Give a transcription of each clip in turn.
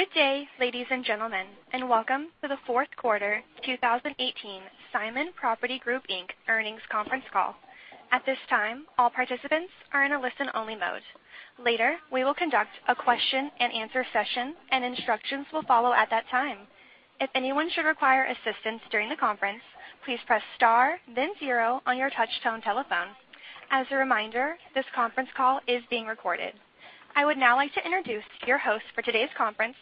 Good day, ladies and gentlemen, welcome to the Q4 2018 Simon Property Group Inc. earnings conference call. At this time, all participants are in a listen-only mode. Later, we will conduct a question-and-answer session, and instructions will follow at that time. If anyone should require assistance during the conference, please press star then zero on your touch-tone telephone. As a reminder, this conference call is being recorded. I would now like to introduce your host for today's conference,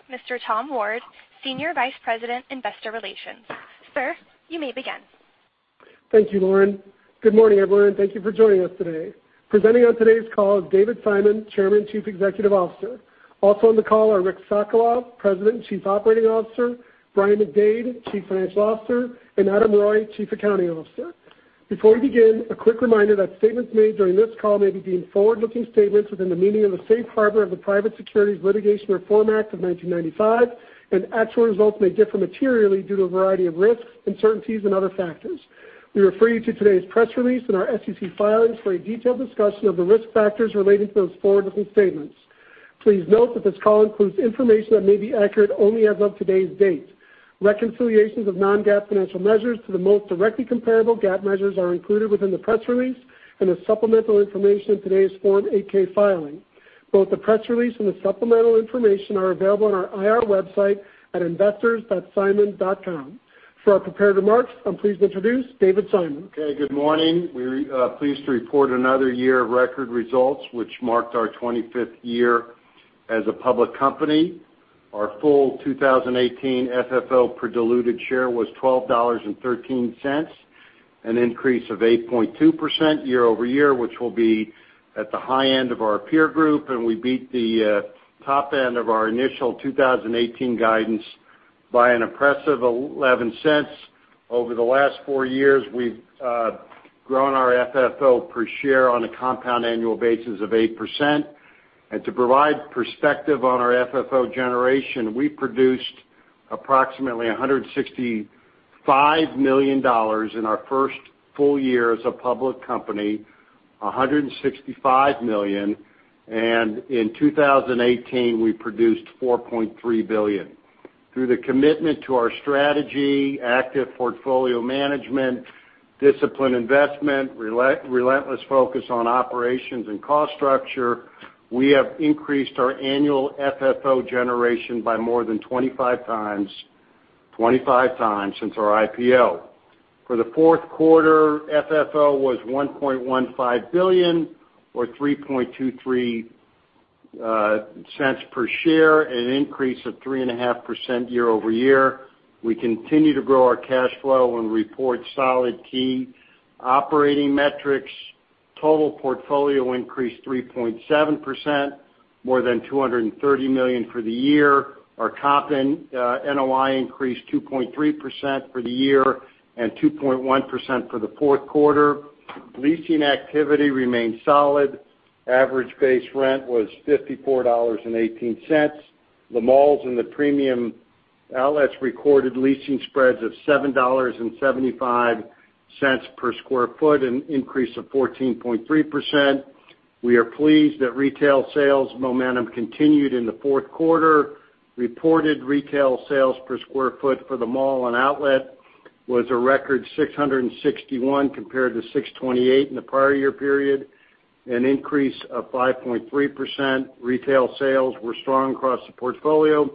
Tom Ward, Senior Vice President, Investor Relations. Sir, you may begin. Thank you, Lauren. Good morning, everyone. Thank you for joining us today. Presenting on today's call is David Simon, Chairman, Chief Executive Officer. Also on the call are Rick Sokolov, President and Chief Operating Officer, Brian McDade, Chief Financial Officer, and Adam Reuille, Chief Accounting Officer. Before we begin, a quick reminder that statements made during this call may be deemed forward-looking statements within the meaning of the Safe Harbor of the Private Securities Litigation Reform Act of 1995. Actual results may differ materially due to a variety of risks, uncertainties, and other factors. We refer you to today's press release and our SEC filings for a detailed discussion of the risk factors relating to those forward-looking statements. Please note that this call includes information that may be accurate only as of today's date. Reconciliations of non-GAAP financial measures to the most directly comparable GAAP measures are included within the press release and the supplemental information in today's Form 8-K filing. Both the press release and the supplemental information are available on our IR website at investors.simon.com. For our prepared remarks, I'm pleased to introduce David Simon. Okay. Good morning. We're pleased to report another year of record results, which marked our 25th year as a public company. Our full 2018 FFO per diluted share was $12.13, an increase of 8.2% year-over-year, which will be at the high end of our peer group. We beat the top end of our initial 2018 guidance by an impressive $0.11. Over the last four years, we've grown our FFO per share on a compound annual basis of 8%. To provide perspective on our FFO generation, we produced approximately $165 million in our first full year as a public company, $165 million, and in 2018, we produced $4.3 billion. Through the commitment to our strategy, active portfolio management, disciplined investment, relentless focus on operations and cost structure, we have increased our annual FFO generation by more than 25 times since our IPO. For the Q4, FFO was $1.15 billion or $0.0323 per share, an increase of 3.5% year-over-year. We continue to grow our cash flow and report solid key operating metrics. Total portfolio increased 3.7%, more than $230 million for the year. Our top-line NOI increased 2.3% for the year and 2.1% for the Q4. Leasing activity remained solid. Average base rent was $54.18. The malls and the premium outlets recorded leasing spreads of $7.75 per sq ft, an increase of 14.3%. We are pleased that retail sales momentum continued in the Q4. Reported retail sales per sq ft for the mall and outlet was a record $661 compared to $628 in the prior year period, an increase of 5.3%. Retail sales were strong across the portfolio,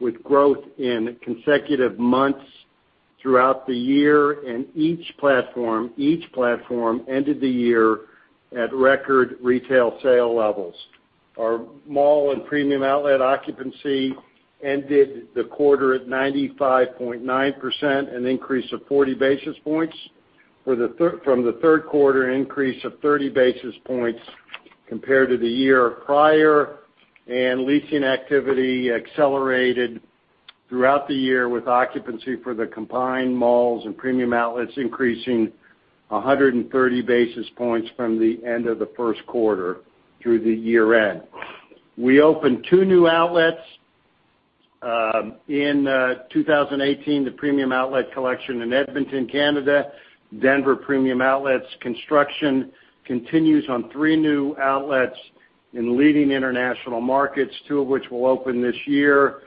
with growth in consecutive months throughout the year. Each platform ended the year at record retail sale levels. Our mall and premium outlet occupancy ended the quarter at 95.9%, an increase of 40-basis points from the Q3, an increase of 30-basis points compared to the year prior. Leasing activity accelerated throughout the year with occupancy for the combined malls and premium outlets increasing 130-basis points from the end of the first quarter through the year-end. We opened two new outlets, in 2018, the premium outlet collection in Edmonton, Canada, Denver Premium Outlets. Construction continues on three new outlets in leading international markets, two of which will open this year.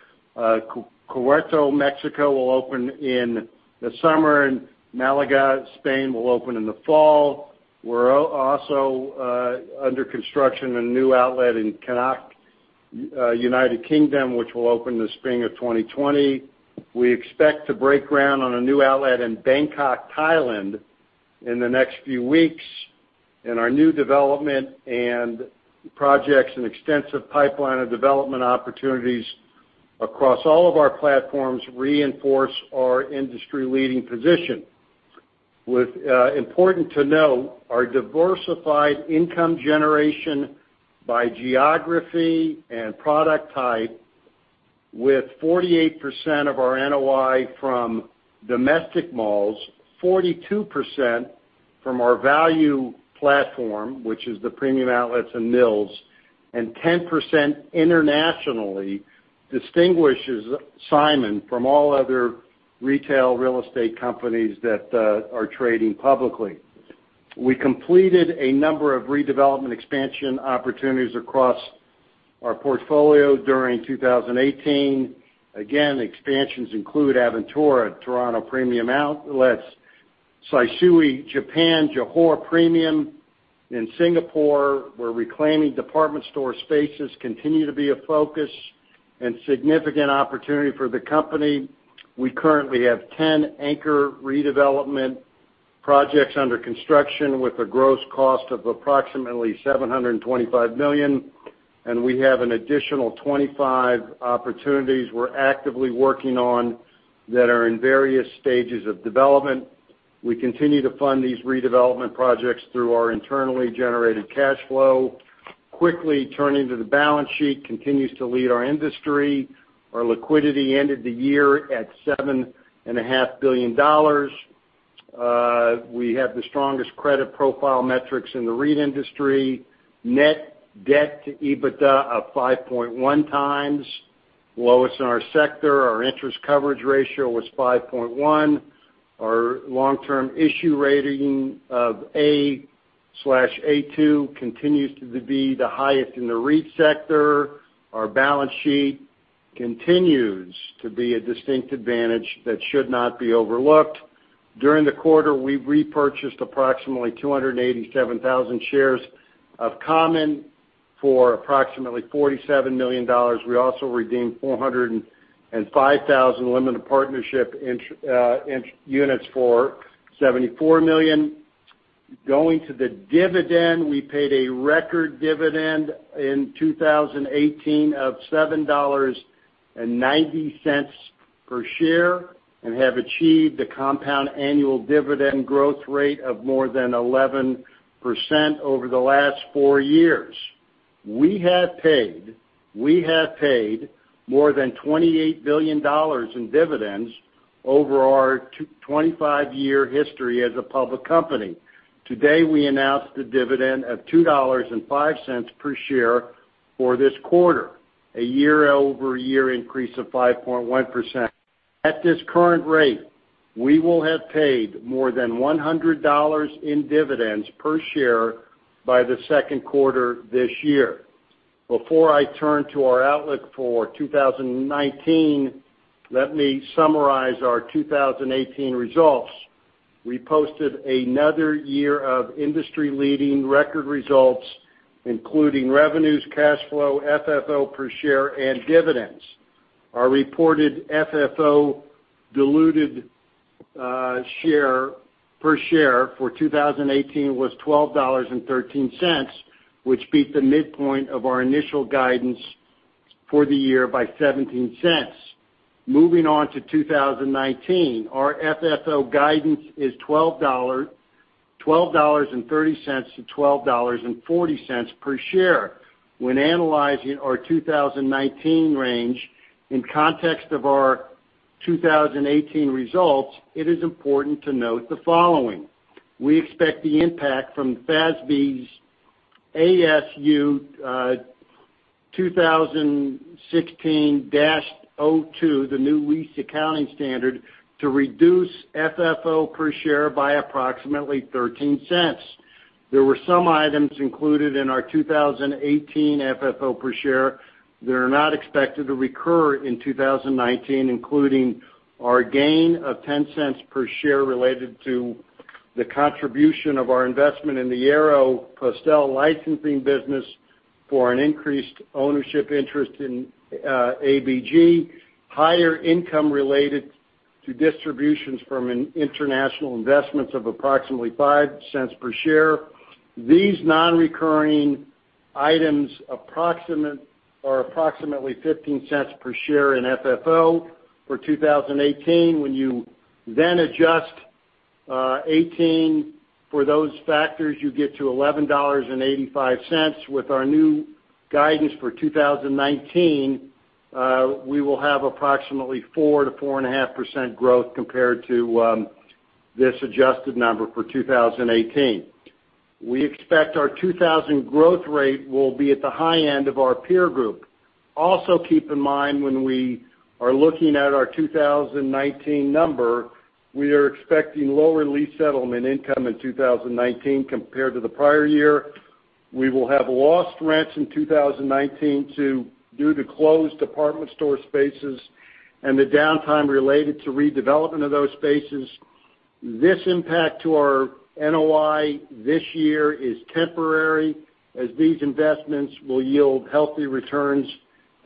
Querétaro, Mexico will open in the summer, and Malaga, Spain will open in the fall. We are also under construction on a new outlet in Cannock, U.K., which will open the spring of 2020. We expect to break ground on a new outlet in Bangkok, Thailand in the next few weeks. Our new development and projects and extensive pipeline of development opportunities across all of our platforms reinforce our industry-leading position. Important to note, our diversified income generation by geography and product type with 48% of our NOI from domestic malls, 42% from our value platform, which is the premium outlets and mills, and 10% internationally distinguishes Simon from all other retail real estate companies that are trading publicly. We completed a number of redevelopment expansion opportunities across our portfolio during 2018. Again, expansions include Aventura, Toronto Premium Outlets, Sano, Japan, Johor Premium Outlets in Singapore. We are reclaiming department store spaces, continue to be a focus and significant opportunity for the company. We currently have 10 anchor redevelopment projects under construction with a gross cost of approximately $725 million. We have an additional 25 opportunities we are actively working on that are in various stages of development. We continue to fund these redevelopment projects through our internally generated cash flow. Quickly turning to the balance sheet, continues to lead our industry. Our liquidity ended the year at $7.5 billion. We have the strongest credit profile metrics in the REIT industry. Net debt to EBITDA of 5.1x, lowest in our sector. Our interest coverage ratio was 5.1. Our long-term issue rating of A/A2 continues to be the highest in the REIT sector. Our balance sheet continues to be a distinct advantage that should not be overlooked. During the quarter, we repurchased approximately 287,000 shares of common for approximately $47 million. We also redeemed 405,000 limited partnership units for $74 million. Going to the dividend, we paid a record dividend in 2018 of $7.90 per share and have achieved a compound annual dividend growth rate of more than 11% over the last four years. We have paid more than $28 billion in dividends over our 25-year history as a public company. Today, we announced a dividend of $2.05 per share for this quarter, a year-over-year increase of 5.1%. At this current rate, we will have paid more than $100 in dividends per share by the Q2 this year. Before I turn to our outlook for 2019, let me summarize our 2018 results. We posted another year of industry-leading record results, including revenues, cash flow, FFO per share, and dividends. Our reported FFO diluted per share for 2018 was $12.13, which beat the midpoint of our initial guidance for the year by $0.17. Moving on to 2019, our FFO guidance is $12.30-$12.40 per share. When analyzing our 2019 range in context of our 2018 results, it is important to note the following. We expect the impact from FASB's ASU 2016-02, the new lease accounting standard, to reduce FFO per share by approximately $0.13. There were some items included in our 2018 FFO per share that are not expected to recur in 2019, including our gain of $0.10 per share related to the contribution of our investment in the Aéropostale licensing business for an increased ownership interest in ABG, higher income related to distributions from international investments of approximately $0.05 per share. These non-recurring items are approximately $0.15 per share in FFO for 2018. When you then adjust 2018 for those factors, you get to $11.85. With our new guidance for 2019, we will have approximately 4%-4.5% growth compared to this adjusted number for 2018. We expect our 2019 growth rate will be at the high end of our peer group. Also keep in mind when we are looking at our 2019 number, we are expecting lower lease settlement income in 2019 compared to the prior year. We will have lost rents in 2019 due to closed department store spaces and the downtime related to redevelopment of those spaces. This impact to our NOI this year is temporary, as these investments will yield healthy returns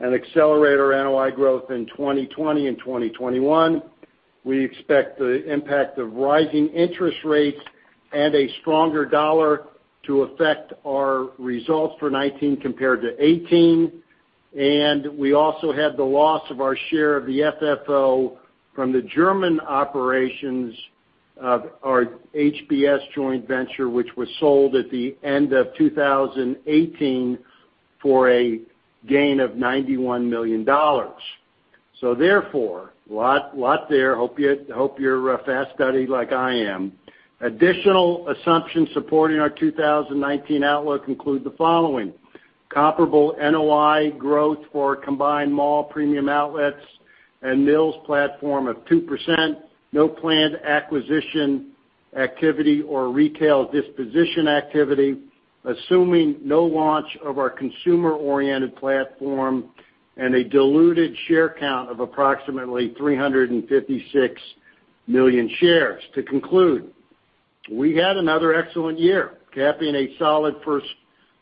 and accelerate our NOI growth in 2020 and 2021. We expect the impact of rising interest rates and a stronger dollar to affect our results for 2019 compared to 2018. We also had the loss of our share of the FFO from the German operations of our HBS joint venture, which was sold at the end of 2018 for a gain of $91 million. Therefore, a lot there. Hope you're a fast study like I am. Additional assumptions supporting our 2019 outlook include the following. Comparable NOI growth for combined mall Premium Outlets and mills platform of 2%. No planned acquisition activity or retail disposition activity, assuming no launch of our consumer-oriented platform and a diluted share count of approximately 356 million shares. To conclude, we had another excellent year, capping a solid first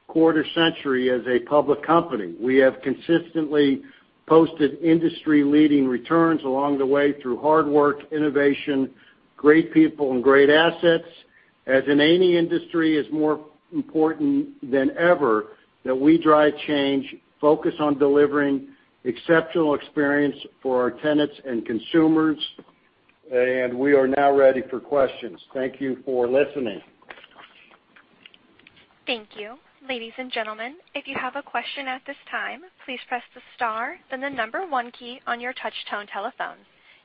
quarter century as a public company. We have consistently posted industry-leading returns along the way through hard work, innovation, great people, and great assets. As in any industry, it's more important than ever that we drive change, focus on delivering exceptional experience for our tenants and consumers. We are now ready for questions. Thank you for listening. Thank you. Ladies and gentlemen, if you have a question at this time, please press the star, then the number one key on your touch-tone telephone.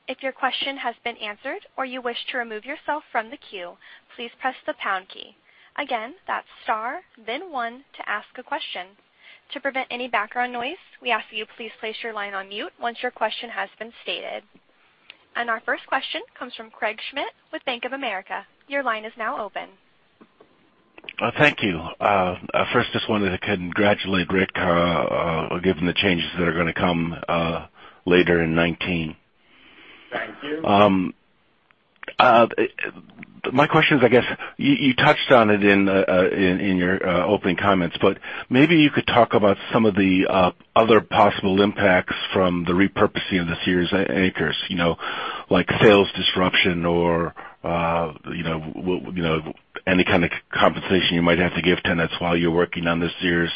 If your question has been answered or you wish to remove yourself from the queue, please press the pound key. Again, that's star, then one to ask a question. To prevent any background noise, we ask that you please place your line on mute once your question has been stated. Our first question comes from Craig Schmidt with Bank of America. Your line is now open. Thank you. First, just wanted to congratulate Rick, given the changes that are going to come later in 2019. Thank you. My question is, I guess, you touched on it in your opening comments, but maybe you could talk about some of the other possible impacts from the repurposing of the Sears anchors, like sales disruption or any kind of compensation you might have to give tenants while you're working on the Sears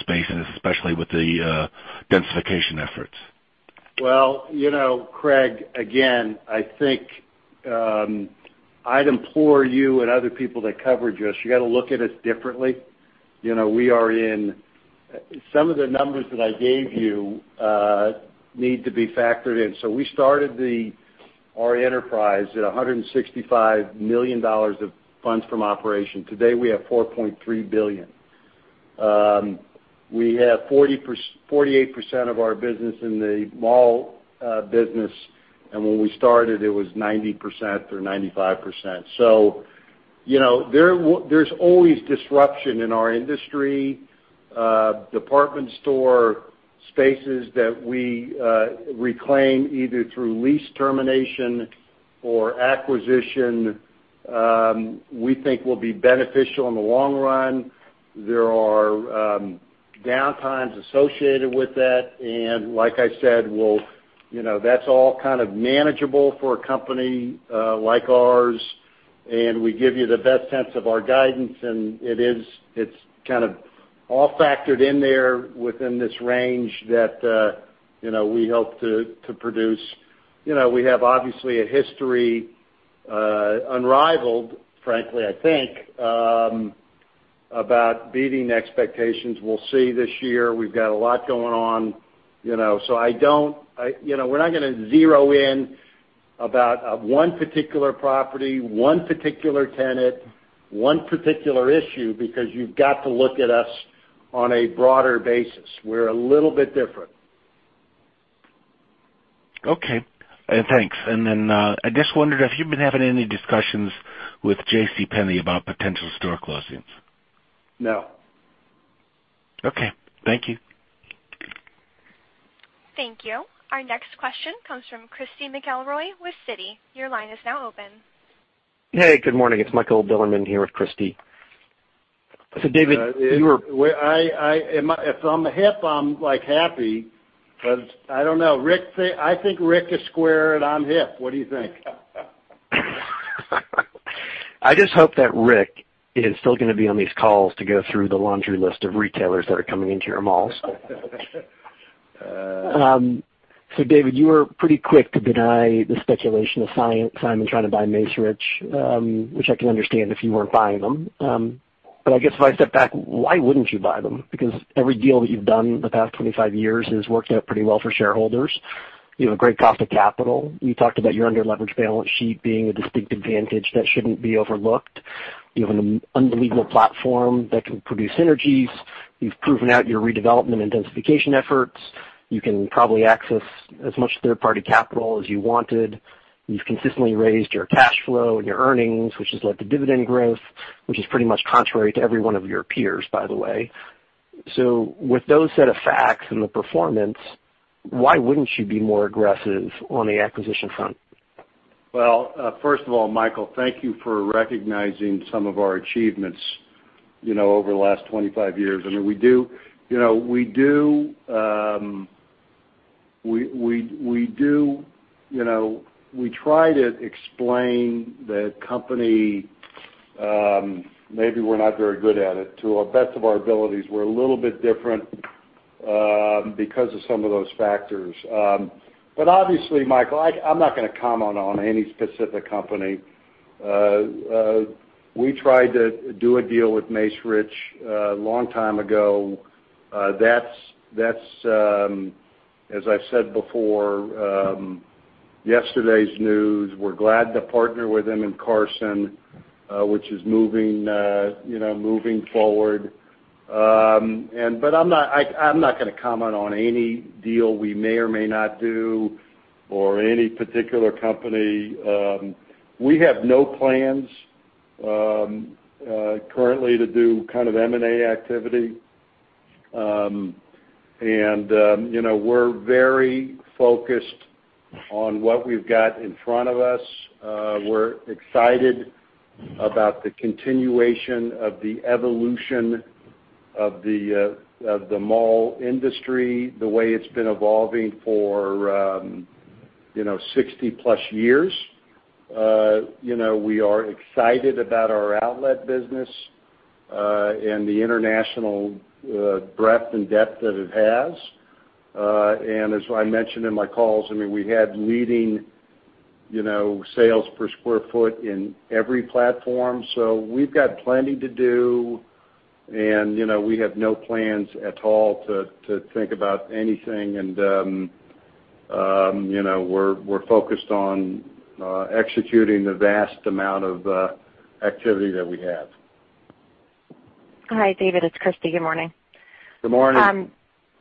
spaces, especially with the densification efforts. Well, Craig, again, I think I'd implore you and other people that cover us, you got to look at us differently. Some of the numbers that I gave you need to be factored in. We started our enterprise at $165 million of funds from operation. Today, we have $4.3 billion. We have 48% of our business in the mall business, and when we started, it was 90% or 95%. There's always disruption in our industry. Department store spaces that we reclaim, either through lease termination or acquisition, we think will be beneficial in the long run. There are downtimes associated with that, and like I said, that's all kind of manageable for a company like ours, and we give you the best sense of our guidance, and it's kind of all factored in there within this range that we hope to produce. We have, obviously, a history, unrivaled, frankly, I think, about beating expectations. We'll see this year. We've got a lot going on. We're not going to zero in on one particular property, one particular tenant, one particular issue, because you've got to look at us on a broader basis. We're a little bit different. Okay. Thanks. I just wondered if you've been having any discussions with JCPenney about potential store closings. No. Okay. Thank you. Thank you. Our next question comes from Christy McElroy with Citi. Your line is now open. Hey, good morning. It's Michael Bilerman here with Christy. David. If I'm hip, I'm happy, because I don't know. I think Rick is square and I'm hip. What do you think? I just hope that Rick is still going to be on these calls to go through the laundry list of retailers that are coming into your malls. David, you were pretty quick to deny the speculation of Simon trying to buy Macerich, which I can understand if you weren't buying them. I guess if I step back, why wouldn't you buy them? Because every deal that you've done the past 25 years has worked out pretty well for shareholders. You have a great cost of capital. You talked about your under-leveraged balance sheet being a distinct advantage that shouldn't be overlooked. You have an unbelievable platform that can produce synergies. You've proven out your redevelopment and densification efforts. You can probably access as much third-party capital as you wanted. You've consistently raised your cash flow and your earnings, which has led to dividend growth, which is pretty much contrary to every one of your peers, by the way. With those set of facts and the performance, why wouldn't you be more aggressive on the acquisition front? Well, first of all, Michael, thank you for recognizing some of our achievements over the last 25 years. We try to explain the company, maybe we're not very good at it, to best of our abilities. We're a little bit different because of some of those factors. Obviously, Michael, I'm not going to comment on any specific company. We tried to do a deal with Macerich a long time ago. That's, as I've said before, yesterday's news, we're glad to partner with them in Carson, which is moving forward. I'm not going to comment on any deal we may or may not do, or any particular company. We have no plans currently to do kind of M&A activity. We're very focused on what we've got in front of us. We're excited about the continuation of the evolution of the mall industry, the way it's been evolving for 60 plus years. We are excited about our outlet business, and the international breadth and depth that it has. As I mentioned in my calls, we had leading sales per square foot in every platform. We've got plenty to do and we have no plans at all to think about anything, and we're focused on executing the vast amount of activity that we have. Hi, David, it's Christy. Good morning. Good morning.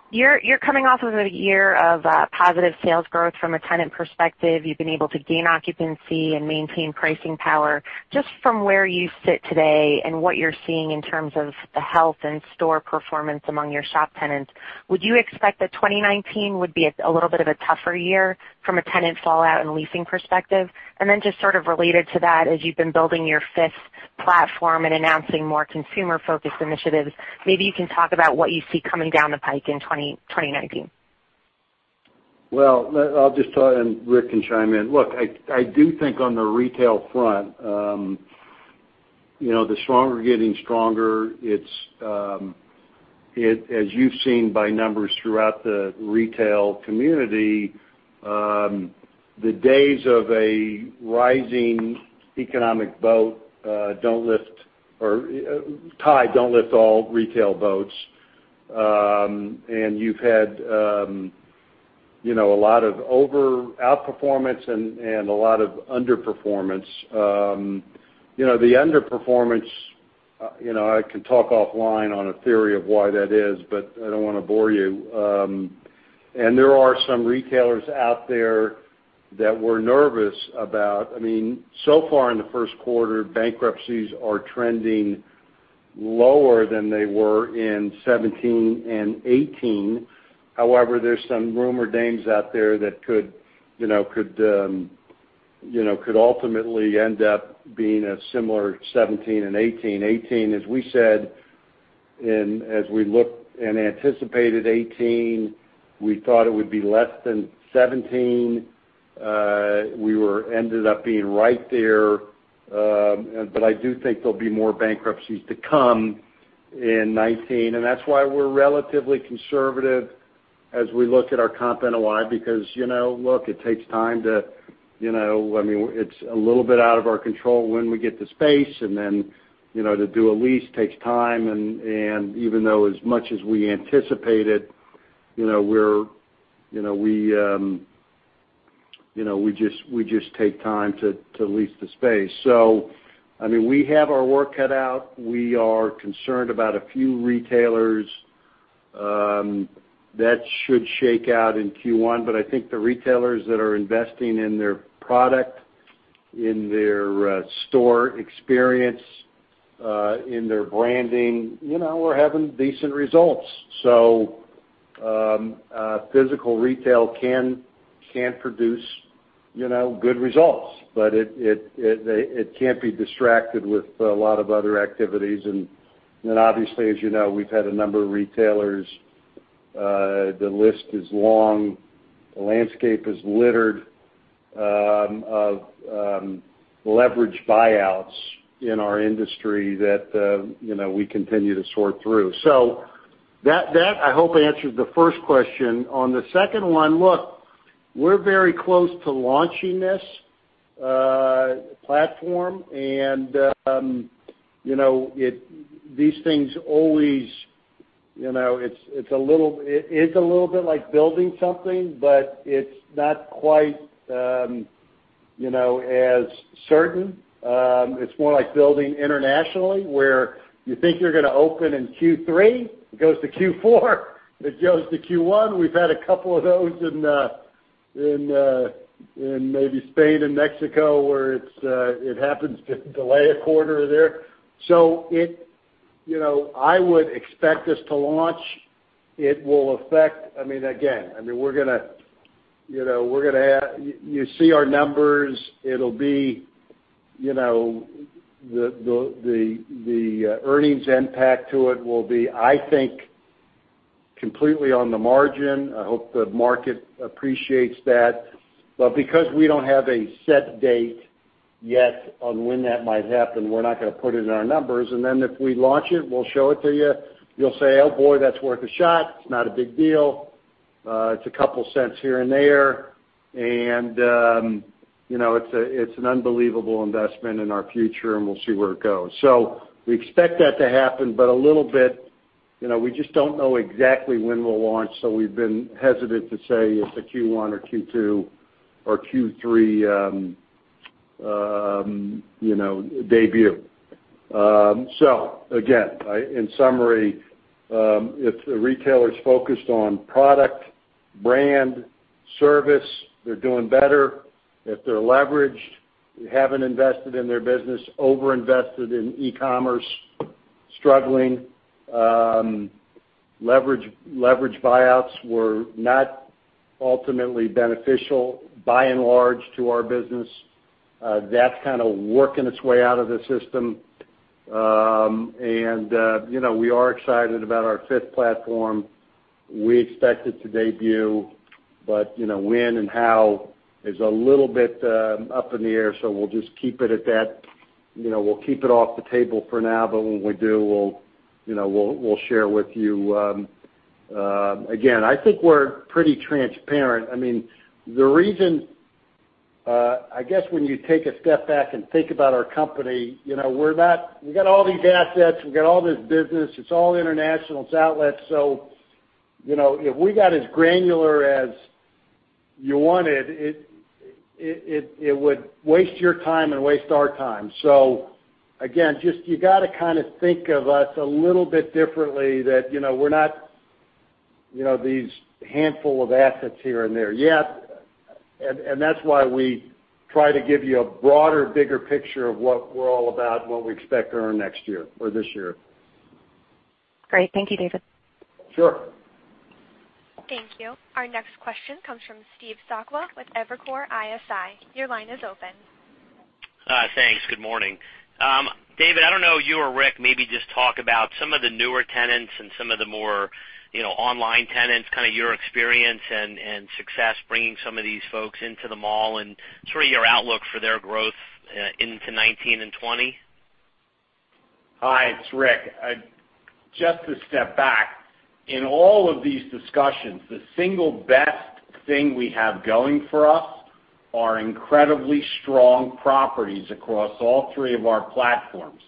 You're coming off of a year of positive sales growth from a tenant perspective. You've been able to gain occupancy and maintain pricing power. Just from where you sit today and what you're seeing in terms of the health and store performance among your shop tenants, would you expect that 2019 would be a little bit of a tougher year from a tenant fallout and leasing perspective? Just sort of related to that, as you've been building your fifth platform and announcing more consumer-focused initiatives, maybe you can talk about what you see coming down the pike in 2019. Well, I'll just talk, Rick can chime in. Look, I do think on the retail front, the stronger getting stronger. As you've seen by numbers throughout the retail community, the days of a rising economic tide don't lift all retail boats. You've had a lot of outperformances and a lot of underperformances. The underperformance, I can talk offline on a theory of why that is, I don't want to bore you. There are some retailers out there that we're nervous about. Far in the first quarter, bankruptcies are trending lower than they were in 2017 and 2018. However, there's some rumored names out there that could ultimately end up being a similar 2017 and 2018. 2018, as we said, and as we looked and anticipated 2018, we thought it would be less than 2017. We ended up being right there. I do think there'll be more bankruptcies to come in 2019. That's why we are relatively conservative as we look at our comp NOI because, look, it takes time to It's a little bit out of our control when we get the space and then to do a lease takes time, and even though as much as we anticipate it, we just take time to lease the space. We have our work cut out. We are concerned about a few retailers that should shake out in Q1. I think the retailers that are investing in their product, in their store experience, in their branding, we are having decent results. Physical retail can produce good results, but it can't be distracted with a lot of other activities. Obviously, as you know, we've had a number of retailers, the list is long, the landscape is littered of leverage buyouts in our industry that we continue to sort through. That, I hope, answers the first question. On the second one, look, we're very close to launching this platform and these things always, it's a little bit like building something, but it's not quite as certain. It's more like building internationally where you think you're going to open in Q3, it goes to Q4, it goes to Q1. We've had a couple of those in maybe Spain and Mexico where it happens to delay a quarter there. I would expect this to launch. It will affect. Again, you see our numbers, the earnings impact to it will be, I think, completely on the margin. I hope the market appreciates that. Because we don't have a set date yet on when that might happen, we're not going to put it in our numbers. If we launch it, we'll show it to you. You'll say, "Oh boy, that's worth a shot." It's not a big deal. It's a couple cents here and there. It's an unbelievable investment in our future, and we'll see where it goes. We expect that to happen, but a little bit. We just don't know exactly when we'll launch, so we've been hesitant to say it's a Q1 or Q2 or Q3 debut. Again, in summary, if the retailer's focused on product, brand, service, they're doing better. If they're leveraged, they haven't invested in their business, overinvested in e-commerce, struggling. Leverage buyouts were not ultimately beneficial by and large to our business. That's kind of working its way out of the system. We are excited about our fifth platform. We expect it to debut, but when and how is a little bit up in the air, so we'll just keep it at that. We'll keep it off the table for now, but when we do, we'll share with you. Again, I think we're pretty transparent. I guess when you take a step back and think about our company, we've got all these assets, we've got all this business, it's all international, it's outlets. If we got as granular as you wanted, it would waste your time and waste our time. Again, just you got to kind of think of us a little bit differently that we're not these handful of assets here and there. That's why we try to give you a broader, bigger picture of what we're all about and what we expect to earn next year or this year. Great. Thank you, David. Sure. Thank you. Our next question comes from Steve Sakwa with Evercore ISI. Your line is open. Thanks. Good morning. David, I don't know, you or Rick, maybe just talk about some of the newer tenants and some of the more online tenants, kind of your experience and success bringing some of these folks into the mall, and sort of your outlook for their growth into 2019 and 2020. Hi, it's Rick. Just to step back, in all of these discussions, the single best thing we have going for us are incredibly strong properties across all three of our platforms.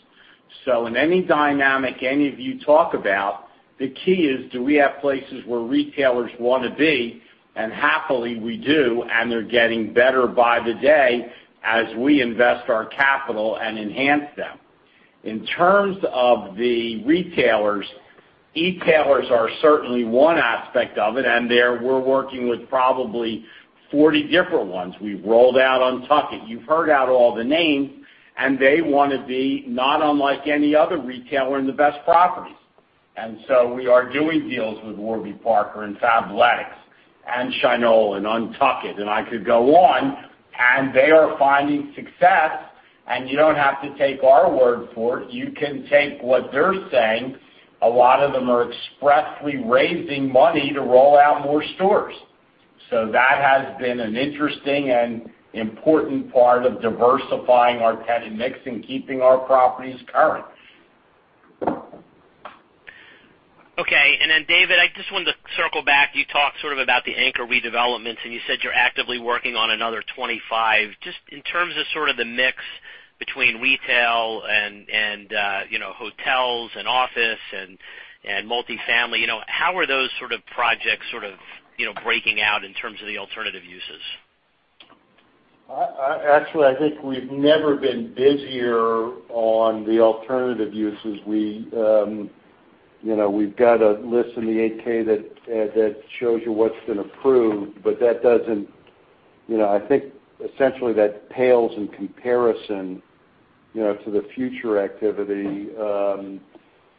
In any dynamic any of you talk about, the key is, do we have places where retailers want to be, and happily we do, and they're getting better by the day as we invest our capital and enhance them. In terms of the retailers, e-tailers are certainly one aspect of it, and there we're working with probably 40 different ones. We've rolled out UNTUCKit. You've heard out all the names, and they want to be, not unlike any other retailer, in the best properties. We are doing deals with Warby Parker and Fabletics and Shinola and UNTUCKit, and I could go on, and they are finding success. You don't have to take our word for it. You can take what they're saying. A lot of them are expressly raising money to roll out more stores. That has been an interesting and important part of diversifying our tenant mix and keeping our properties current. David, I just wanted to circle back. You talked sort of about the anchor redevelopments, and you said you're actively working on another 25. Just in terms of sort of the mix between retail and hotels and office and multi-family, how are those sort of projects sort of breaking out in terms of the alternative uses? Actually, I think we've never been busier on the alternative uses. We've got a list in the 8-K that shows you what's been approved, but I think essentially that pales in comparison to the future activity.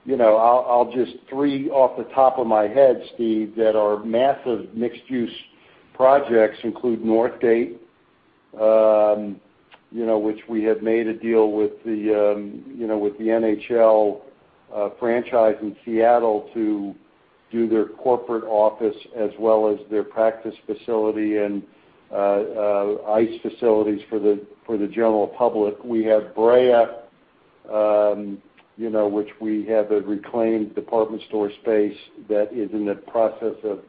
I'll just three off the top of my head, Steve, that our massive mixed-use projects include Northgate, which we have made a deal with the NHL franchise in Seattle to do their corporate office as well as their practice facility and ice facilities for the general public. We have Brea, which we have a reclaimed department store space that is in the process of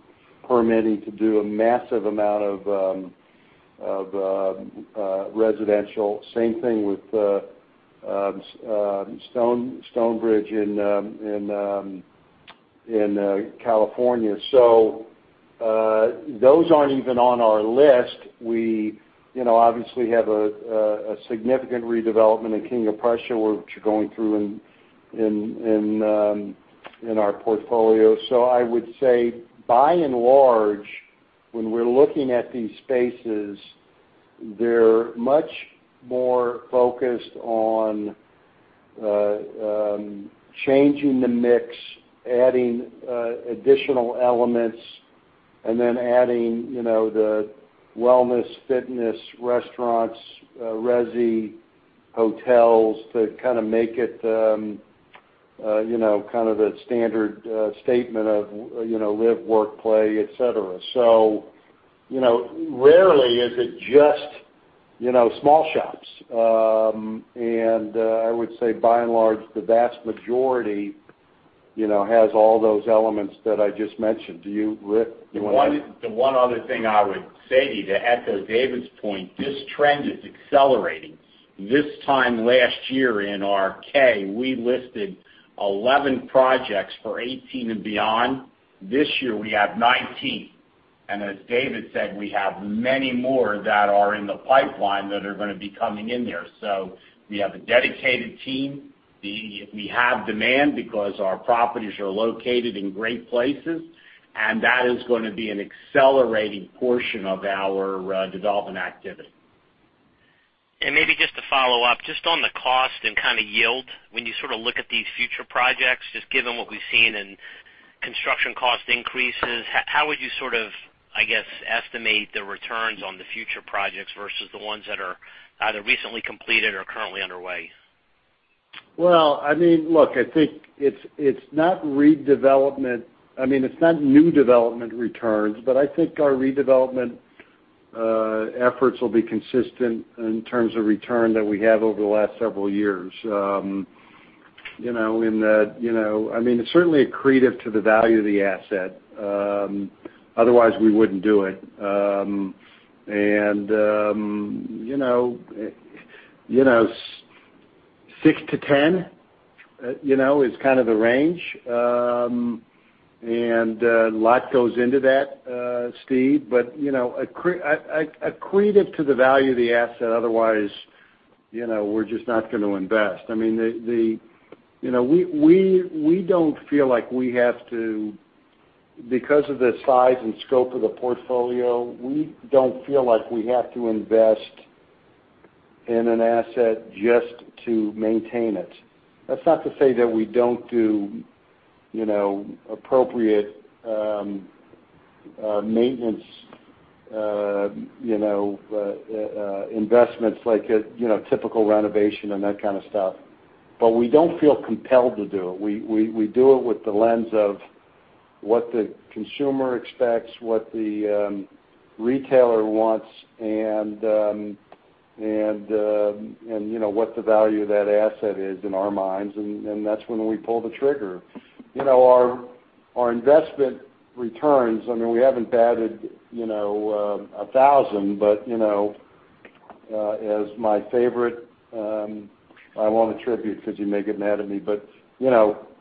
permitting to do a massive amount of residential. Same thing with Stonebridge in California. Those aren't even on our list. We obviously have a significant redevelopment in King of Prussia, which we're going through in our portfolio. I would say by and large, when we're looking at these spaces, they're much more focused on changing the mix, adding additional elements, and then adding the wellness, fitness, restaurants, resi, hotels to kind of make it kind of the standard statement of live, work, play, et cetera. Rarely is it just small shops. I would say by and large, the vast majority has all those elements that I just mentioned. The one other thing I would say to echo David's point, this trend is accelerating. This time last year in our K, we listed 11 projects for 2018 and beyond. This year, we have 19, and as David said, we have many more that are in the pipeline that are going to be coming in there. We have a dedicated team. We have demand because our properties are located in great places, and that is going to be an accelerating portion of our development activity. Maybe just to follow up, just on the cost and kind of yield, when you sort of look at these future projects, just given what we've seen in construction cost increases, how would you sort of, I guess, estimate the returns on the future projects versus the ones that are either recently completed or currently underway? Well, look, I think it's not new development returns, but I think our redevelopment efforts will be consistent in terms of return that we have over the last several years. It's certainly accretive to the value of the asset. Otherwise, we wouldn't do it. 6-10 is kind of the range. A lot goes into that, Steve, but accretive to the value of the asset, otherwise we're just not going to invest. Because of the size and scope of the portfolio, we don't feel like we have to invest in an asset just to maintain it. That's not to say that we don't do appropriate maintenance investments like a typical renovation and that kind of stuff. We don't feel compelled to do it. We do it with the lens of what the consumer expects, what the retailer wants, and what the value of that asset is in our minds, and then that's when we pull the trigger. Our investment returns, we haven't batted 1,000, but as my favorite I won't attribute because you may get mad at me, but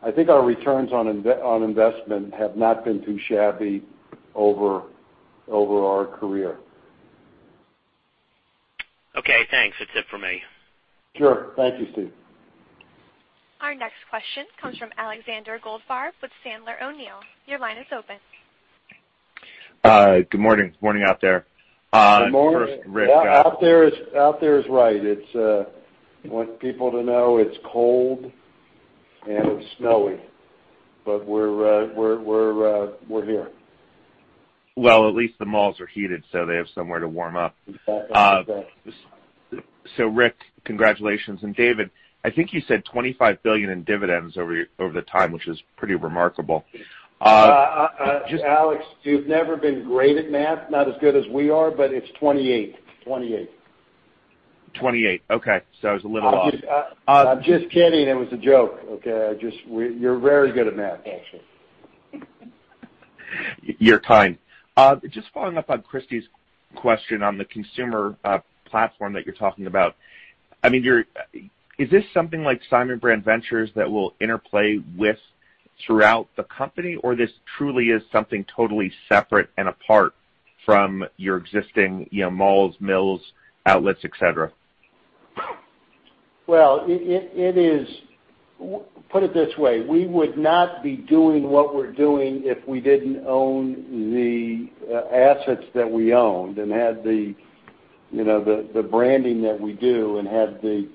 I think our returns on investment have not been too shabby over our career. Okay, thanks. That's it for me. Sure. Thank you, Steve. Our next question comes from Alexander Goldfarb with Sandler O'Neill. Your line is open. Good morning. Morning out there. Good morning. First, Rick- Out there is right. I want people to know it's cold and it's snowy, but we're here. Well, at least the malls are heated, so they have somewhere to warm up. Exactly. Rick, congratulations. David, I think you said $25 billion in dividends over the time, which is pretty remarkable. Alex, you've never been great at math, not as good as we are, but it's 28. 28, okay. I was a little off. I'm just kidding. It was a joke, okay? You're very good at math, actually. You're kind. Just following up on Christy's question on the consumer platform that you're talking about. Is this something like Simon Brand Ventures that will interplay with throughout the company, or this truly is something totally separate and apart from your existing malls, outlets, et cetera? Well, put it this way, we would not be doing what we're doing if we didn't own the assets that we owned and had the branding that we do and have the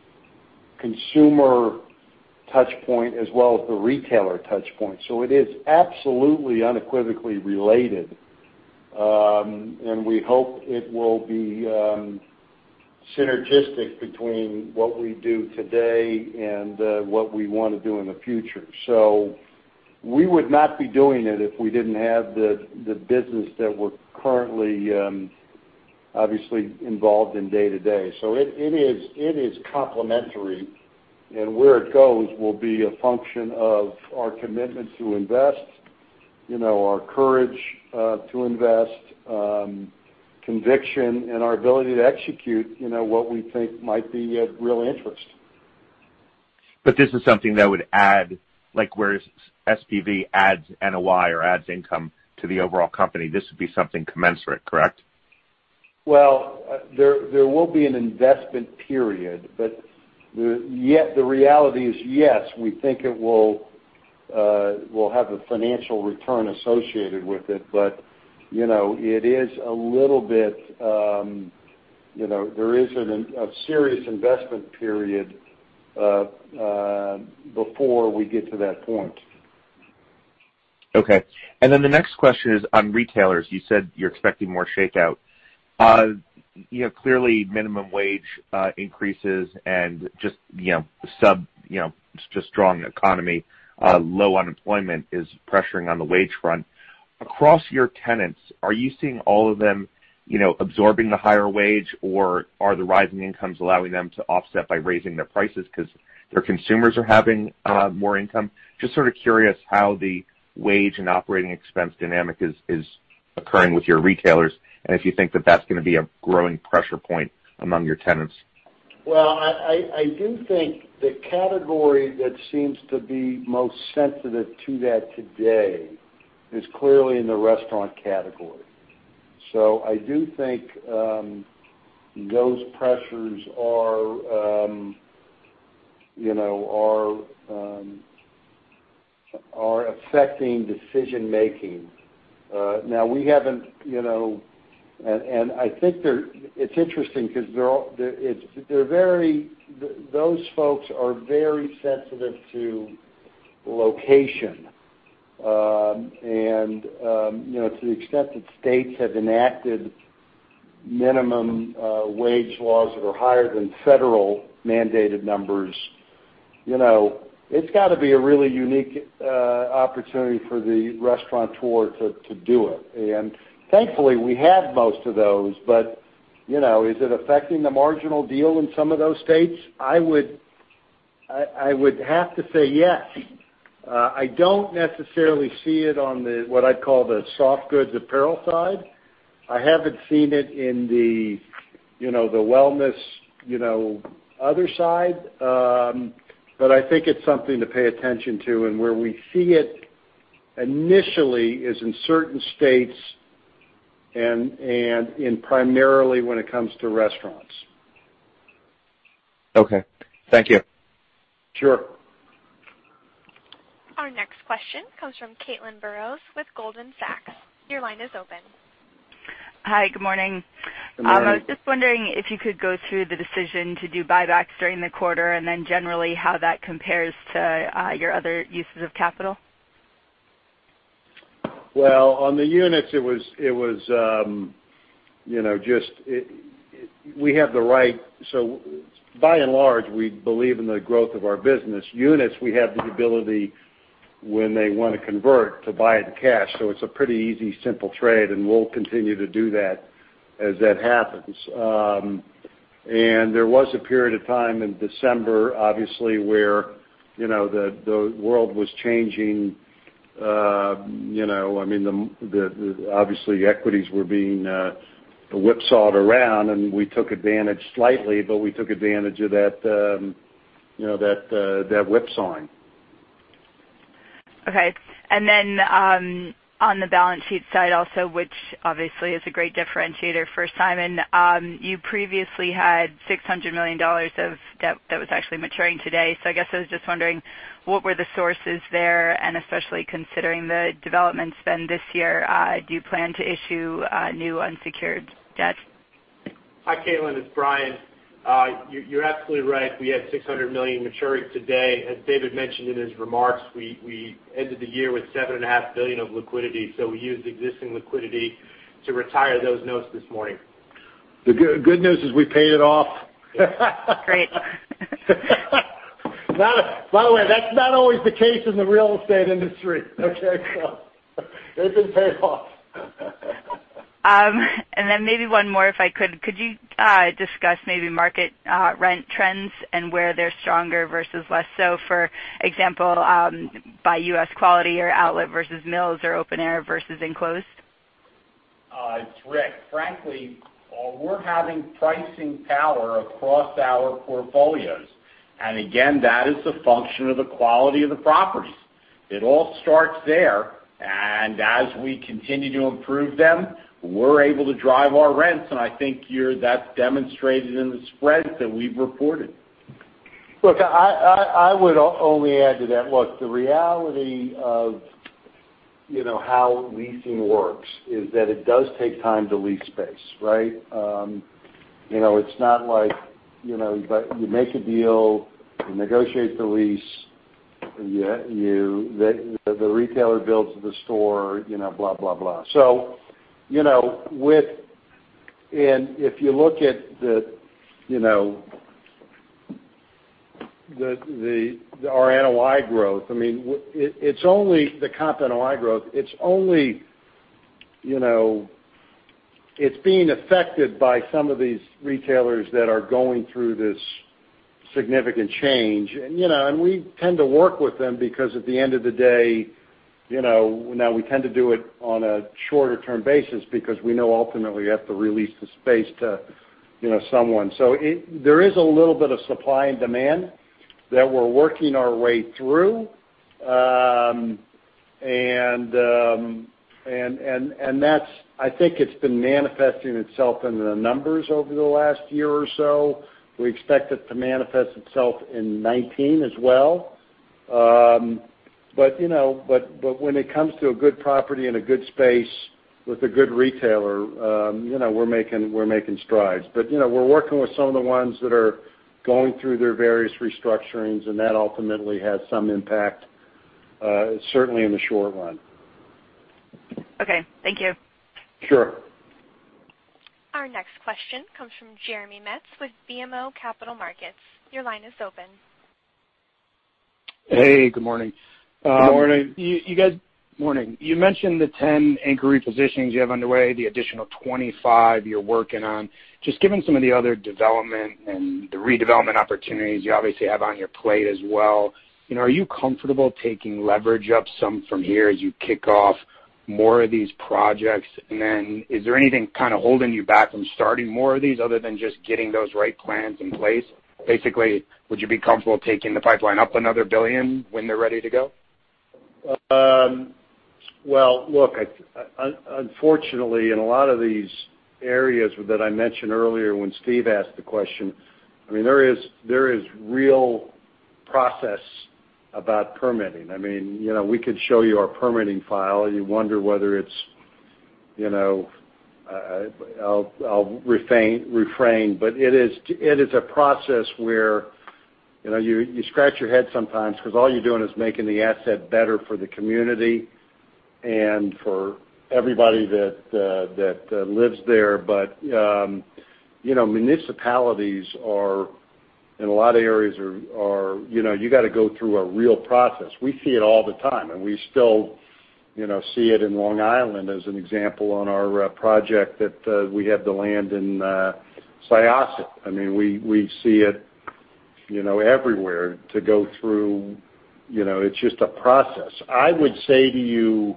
consumer touch point as well as the retailer touch point. It is absolutely unequivocally related. We hope it will be synergistic between what we do today and what we want to do in the future. We would not be doing it if we didn't have the business that we're currently obviously involved in day to day. It is complementary, and where it goes will be a function of our commitment to invest, our courage to invest, conviction, and our ability to execute what we think might be of real interest. this is something that would add, like whereas SPV adds NOI or adds income to the overall company, this would be something commensurate, correct? Well, there will be an investment period, but yet the reality is, yes, we think it will have a financial return associated with it. there is a serious investment period before we get to that point. Okay. then the next question is on retailers. You said you're expecting more shakeout. Clearly, minimum wage increases and just strong economy, low unemployment is pressuring on the wage front. Across your tenants, are you seeing all of them absorbing the higher wage, or are the rising incomes allowing them to offset by raising their prices because their consumers are having more income? Just sort of curious how the wage and operating expense dynamic is occurring with your retailers, and if you think that that's going to be a growing pressure point among your tenants. Well, I do think the category that seems to be most sensitive to that today is clearly in the restaurant category. I do think those pressures are affecting decision making. I think it's interesting because those folks are very sensitive to location. to the extent that states have enacted minimum wage laws that are higher than Federal mandated numbers, it's got to be a really unique opportunity for the restaurateur to do it. thankfully, we have most of those, but is it affecting the marginal deal in some of those states? I would have to say yes. I don't necessarily see it on the, what I'd call the soft goods apparel side. I haven't seen it in the wellness other side. I think it's something to pay attention to, and where we see it initially is in certain states and in primarily when it comes to restaurants. Okay. Thank you. Sure. Our next question comes from Caitlin Burrows with Goldman Sachs. Your line is open. Hi, good morning. Good morning. I was just wondering if you could go through the decision to do buybacks during the quarter, generally how that compares to your other uses of capital. Well, on the units, we have the right by and large, we believe in the growth of our business. Units, we have the ability, when they want to convert, to buy it in cash. It's a pretty easy, simple trade, and we'll continue to do that as that happens. There was a period of time in December, obviously, where the world was changing. Obviously, equities were being whipsawed around, and we took advantage slightly, but we took advantage of that whipsawing. Okay. On the balance sheet side also, which obviously is a great differentiator for Simon, you previously had $600 million of debt that was actually maturing today. I guess I was just wondering, what were the sources there, and especially considering the development spend this year, do you plan to issue new unsecured debt? Hi, Caitlin, it's Brian. You're absolutely right. We had $600 million maturing today. As David mentioned in his remarks, we ended the year with $7.5 billion of liquidity. We used existing liquidity to retire those notes this morning. The good news is we paid it off. By the way, that's not always the case in the real estate industry. Okay, they've been paid off. Maybe one more, if I could. Could you discuss maybe market rent trends and where they're stronger versus less so, for example, by U.S. quality or outlet versus malls, or open air versus enclosed? It's Rick. Frankly, we're having pricing power across our portfolios. Again, that is the function of the quality of the properties. It all starts there, as we continue to improve them, we're able to drive our rents, I think that's demonstrated in the spreads that we've reported. Look, I would only add to that. Look, the reality of how leasing works is that it does take time to lease space, right? It's not like you make a deal, you negotiate the lease, the retailer builds the store, blah, blah. If you look at our NOI growth, the comp NOI growth, it's being affected by some of these retailers that are going through this significant change. We tend to work with them because at the end of the day, now we tend to do it on a shorter term basis because we know ultimately we have to re-lease the space to someone. There is a little bit of supply and demand that we're working our way through. I think it's been manifesting itself in the numbers over the last year or so. We expect it to manifest itself in 2019 as well. When it comes to a good property and a good space with a good retailer, we're making strides. We're working with some of the ones that are going through their various restructurings, that ultimately has some impact, certainly in the short run. Okay. Thank you. Sure. Our next question comes from Jeremy Metz with BMO Capital Markets. Your line is open. Hey, good morning. Good morning. Morning. You mentioned the 10 anchor repositions you have underway, the additional 25 you're working on. Just given some of the other development and the redevelopment opportunities you obviously have on your plate as well, are you comfortable taking leverage up some from here as you kick off more of these projects? Is there anything kind of holding you back from starting more of these other than just getting those right plans in place? Basically, would you be comfortable taking the pipeline up another $1 billion when they're ready to go? Well, look, unfortunately, in a lot of these areas that I mentioned earlier when Steve asked the question, there is real process about permitting. We could show you our permitting file. You wonder whether it's I'll refrain, but it is a process where you scratch your head sometimes because all you're doing is making the asset better for the community and for everybody that lives there. Municipalities are, in a lot of areas, you got to go through a real process. We see it all the time, and we still see it in Long Island as an example on our project that we have the land in Syosset. We see it everywhere to go through. It's just a process. I would say to you,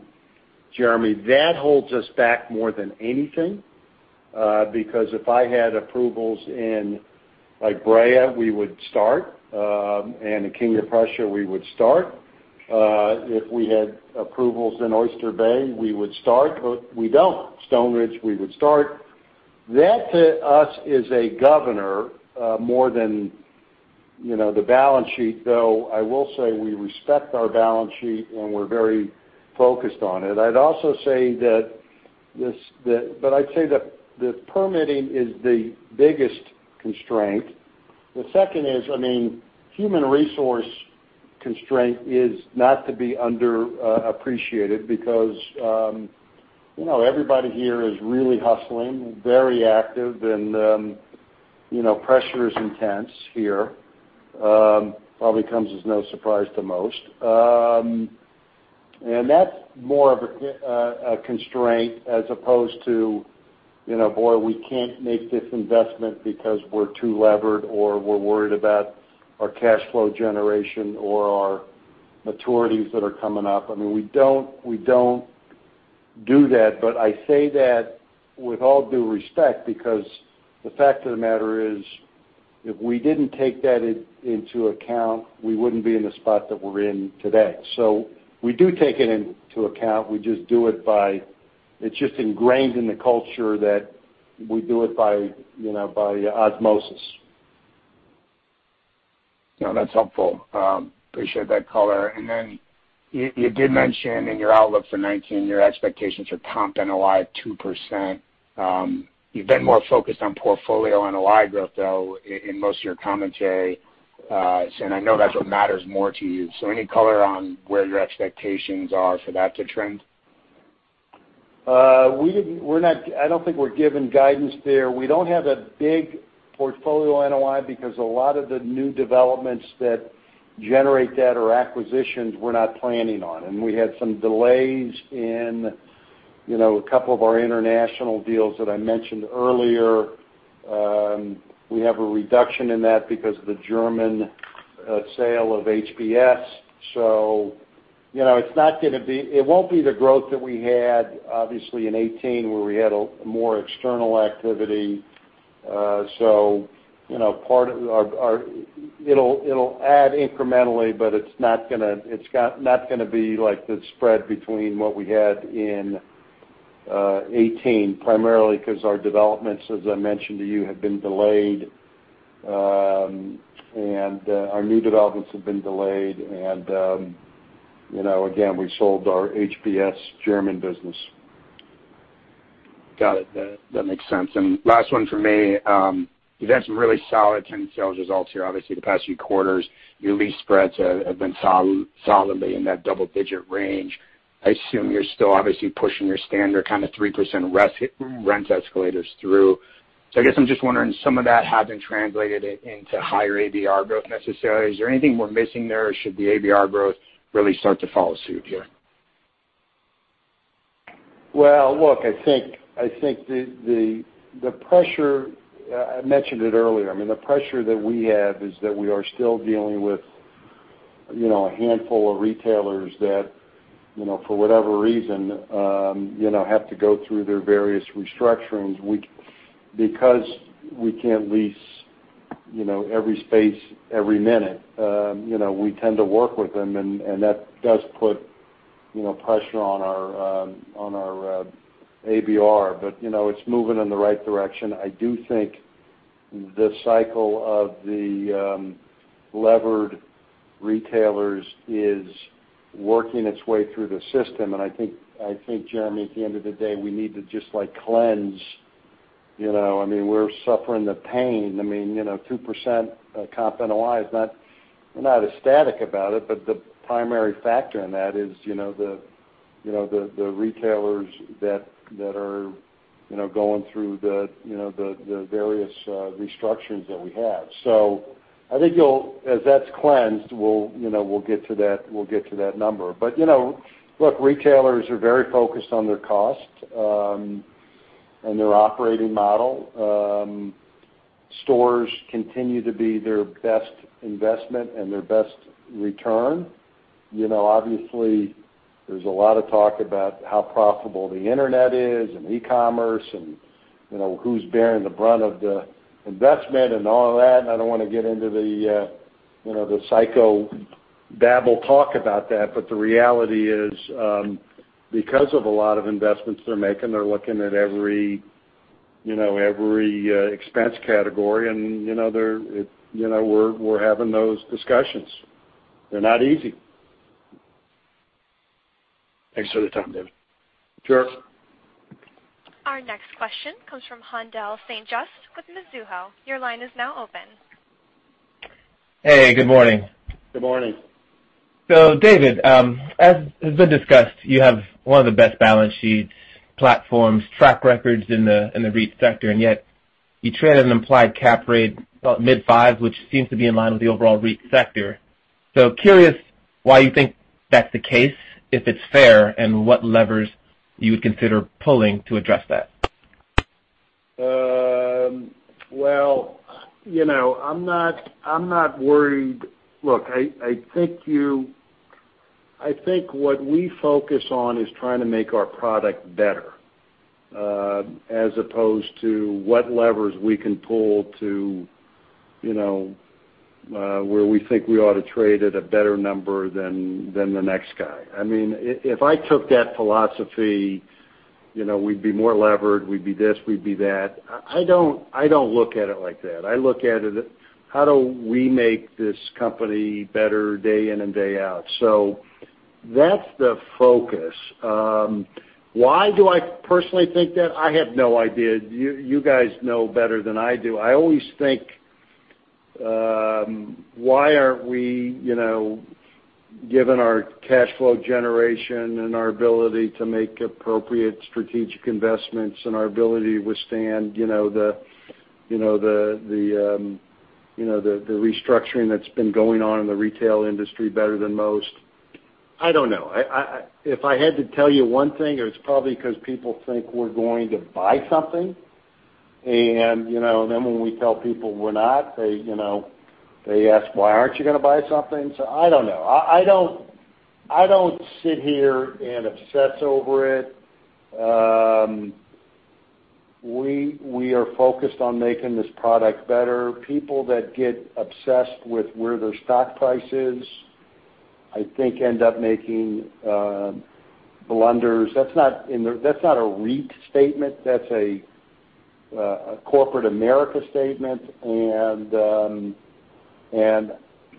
Jeremy, that holds us back more than anything. If I had approvals in Brea, we would start, and in King of Prussia, we would start. If we had approvals in Oyster Bay, we would start. We don't. Stonebridge, we would start. That to us is a governor more than the balance sheet, though I will say we respect our balance sheet, and we're very focused on it. I'd say that the permitting is the biggest constraint. The second is, human resource constraint is not to be underappreciated because everybody here is really hustling, very active, and pressure is intense here. Probably comes as no surprise to most. That's more of a constraint as opposed to, boy, we can't make this investment because we're too levered, or we're worried about our cash flow generation or our maturities that are coming up. We don't do that, but I say that with all due respect because the fact of the matter is if we didn't take that into account, we wouldn't be in the spot that we're in today. We do take it into account. It's just ingrained in the culture that we do it by osmosis. No, that's helpful. Appreciate that color. You did mention in your outlook for 2019, your expectations for comp NOI of 2%. You've been more focused on portfolio NOI growth, though, in most of your commentary. I know that's what matters more to you. Any color on where your expectations are for that to trend? I don't think we're giving guidance there. We don't have a big portfolio NOI because a lot of the new developments that generate that are acquisitions we're not planning on. We had some delays in a couple of our international deals that I mentioned earlier. We have a reduction in that because of the German sale of HBS. It won't be the growth that we had, obviously, in 2018, where we had more external activity. It'll add incrementally, but it's not going to be like the spread between what we had in 2018, primarily because our developments, as I mentioned to you, have been delayed. Our new developments have been delayed, and again, we sold our HBS German business. Got it. That makes sense. Last one from me. You've had some really solid tenant sales results here. Obviously, the past few quarters, your lease spreads have been solidly in that double-digit range. I assume you're still obviously pushing your standard kind of 3% rent escalators through. I guess I'm just wondering, some of that has been translated into higher ABR growth necessarily. Is there anything we're missing there, or should the ABR growth really start to follow suit here? Well, look, I think the pressure, I mentioned it earlier. The pressure that we have is that we are still dealing with a handful of retailers that, for whatever reason, have to go through their various restructurings. Because we can't lease every space every minute, we tend to work with them, and that does put pressure on our ABR. It's moving in the right direction. I do think the cycle of the levered retailers is working its way through the system, and I think, Jeremy, at the end of the day, we need to just cleanse. We're suffering the pain. 2% comp NOI is not, we're not ecstatic about it, but the primary factor in that is the retailers that are going through the various restructurings that we have. I think as that's cleansed, we'll get to that number. Look, retailers are very focused on their cost and their operating model. Stores continue to be their best investment and their best return. Obviously, there's a lot of talk about how profitable the internet is and e-commerce, and who's bearing the brunt of the investment and all of that, and I don't want to get into the psychobabble talk about that. The reality is, because of a lot of investments they're making, they're looking at every expense category, and we're having those discussions. They're not easy. Thanks for the time, David. Sure. Our next question comes from Haendel St. Juste with Mizuho. Your line is now open. Hey, good morning. Good morning. David, as has been discussed, you have one of the best balance sheet platforms, track records in the REIT sector, and yet you trade an implied cap rate about mid-5, which seems to be in line with the overall REIT sector. Curious why you think that's the case, if it's fair, and what levers you would consider pulling to address that. Well, I'm not worried. Look, I think what we focus on is trying to make our product better, as opposed to what levers we can pull to where we think we ought to trade at a better number than the next guy. If I took that philosophy, we'd be more levered, we'd be this, we'd be that. I don't look at it like that. I look at it, how do we make this company better day in and day out? That's the focus. Why do I personally think that? I have no idea. You guys know better than I do. I always think, why aren't we, given our cash flow generation and our ability to make appropriate strategic investments, and our ability to withstand the restructuring that's been going on in the retail industry better than most. I don't know. If I had to tell you one thing, it's probably because people think we're going to buy something. Then when we tell people we're not, they ask, "Why aren't you going to buy something?" I don't know. I don't sit here and obsess over it. We are focused on making this product better. People that get obsessed with where their stock price is, I think end up making blunders. That's not a REIT statement. That's a corporate America statement,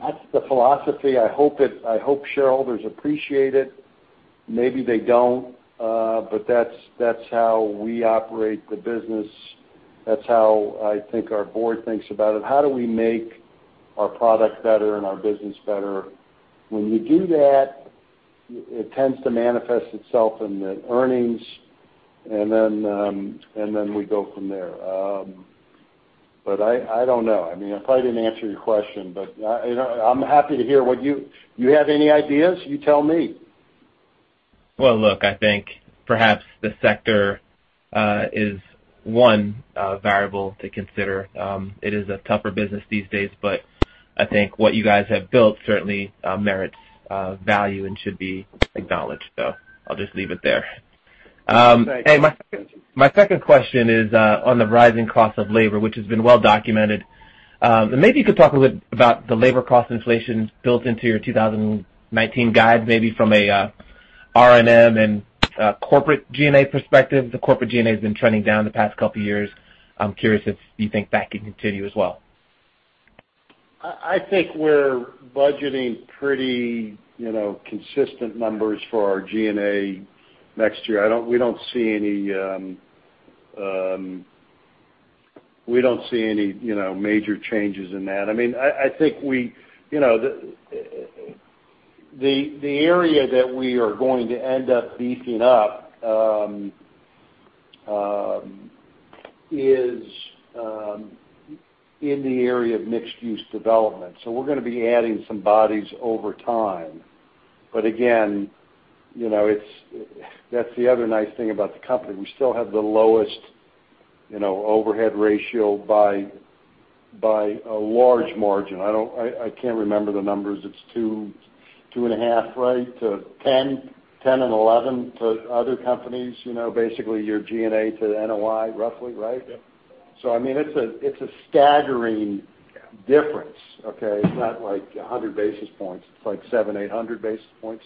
that's the philosophy. I hope shareholders appreciate it. Maybe they don't. That's how we operate the business. That's how I think our board thinks about it. How do we make our product better and our business better? When you do that, it tends to manifest itself in the earnings, then we go from there. I don't know. I probably didn't answer your question, I'm happy to hear what you have any ideas? You tell me. Well, look, I think perhaps the sector is one variable to consider. It is a tougher business these days, I think what you guys have built certainly merits value and should be acknowledged. I'll just leave it there. Thanks. Hey, my second question is on the rising cost of labor, which has been well documented. Maybe you could talk a little bit about the labor cost inflation built into your 2019 guide, maybe from a R&M and corporate G&A perspective. The corporate G&A has been trending down the past couple of years. I'm curious if you think that can continue as well. I think we're budgeting pretty consistent numbers for our G&A next year. We don't see any major changes in that. The area that we are going to end up beefing up is in the area of mixed-use development. We're going to be adding some bodies over time. Again, that's the other nice thing about the company. We still have the lowest overhead ratio by a large margin. I can't remember the numbers. It's two and a half, right? To 10 and 11 to other companies. Basically, your G&A to NOI, roughly, right? Yep. It's a staggering difference, okay? It's not like 100-basis points. It's like 700, 800-basis points.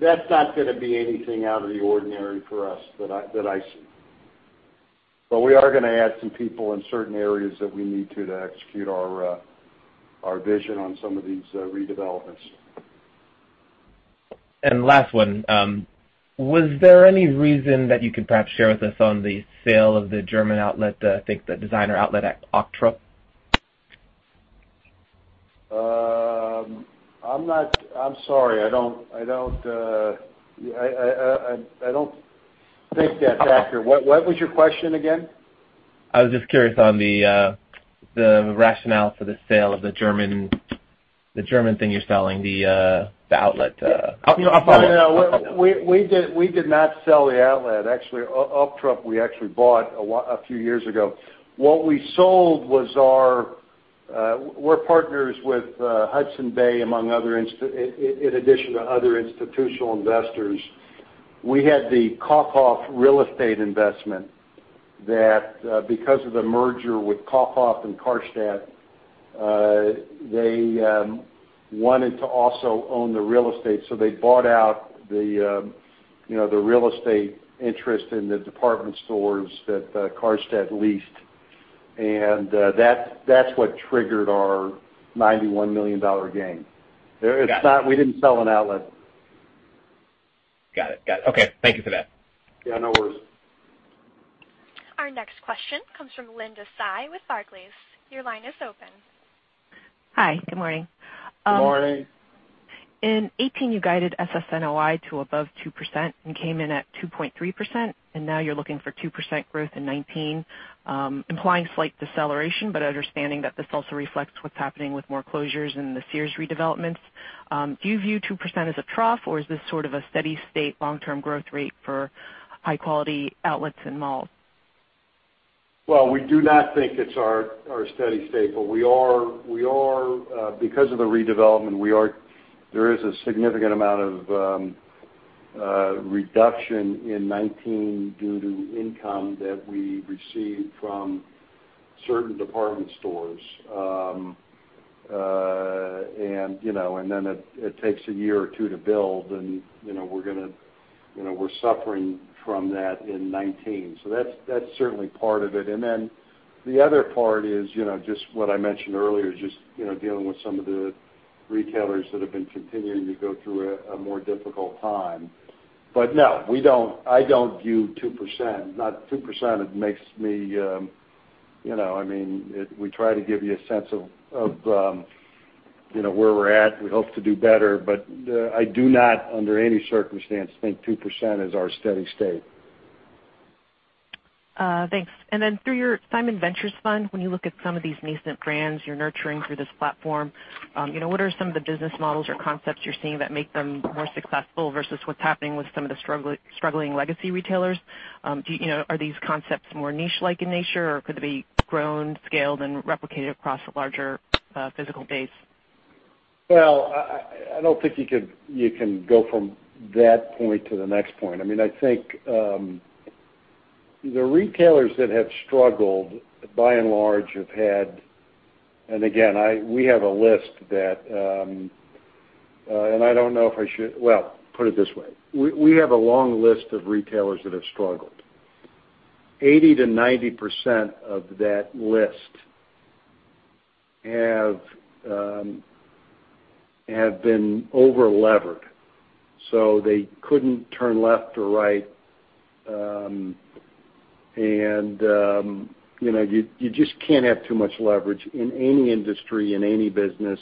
That's not going to be anything out of the ordinary for us that I see. We are going to add some people in certain areas that we need to execute our vision on some of these redevelopments. Last one. Was there any reason that you could perhaps share with us on the sale of the German outlet, I think the Designer Outlet at Ochtrup? I'm sorry, I don't think that's accurate. What was your question again? I was just curious on the rationale for the sale of the German thing you're selling, the outlet. No, we did not sell the outlet. Actually, Ochtrup, we actually bought a few years ago. What we sold was our, we're partners with Hudson Bay, among other in addition to other institutional investors. We had the Kaufhof real estate investment that, because of the merger with Kaufhof and Karstadt, they wanted to also own the real estate. They bought out the real estate interest in the department stores that Karstadt leased, and that's what triggered our $91 million gain. Got it. We didn't sell an outlet. Got it. Okay, thank you for that. Yeah, no worries. Our next question comes from Linda Tsai with Barclays. Your line is open. Hi. Good morning. Good morning. In 2018, you guided SSNOI to above 2% and came in at 2.3%. Now you're looking for 2% growth in 2019, implying slight deceleration. Understanding that this also reflects what's happening with more closures and the Sears redevelopments. Do you view 2% as a trough, or is this sort of a steady state long-term growth rate for high-quality outlets and malls? We do not think it's our steady state, but because of the redevelopment, there is a significant amount of reduction in 2019 due to income that we received from certain department stores. Then it takes a year or two to build, and we're suffering from that in 2019. That's certainly part of it. The other part is just what I mentioned earlier, just dealing with some of the retailers that have been continuing to go through a more difficult time. No, I don't view 2%, not 2%. We try to give you a sense of where we're at. We hope to do better. I do not, under any circumstance, think 2% is our steady state. Thanks. Through your Simon Ventures fund, when you look at some of these nascent brands you're nurturing through this platform, what are some of the business models or concepts you're seeing that make them more successful versus what's happening with some of the struggling legacy retailers? Are these concepts more niche-like in nature, or could they be grown, scaled, and replicated across a larger physical base? Well, I don't think you can go from that point to the next point. I think the retailers that have struggled, by and large, have had. Put it this way. We have a long list of retailers that have struggled. 80%-90% of that list have been over-levered, so they couldn't turn left or right, and you just can't have too much leverage in any industry, in any business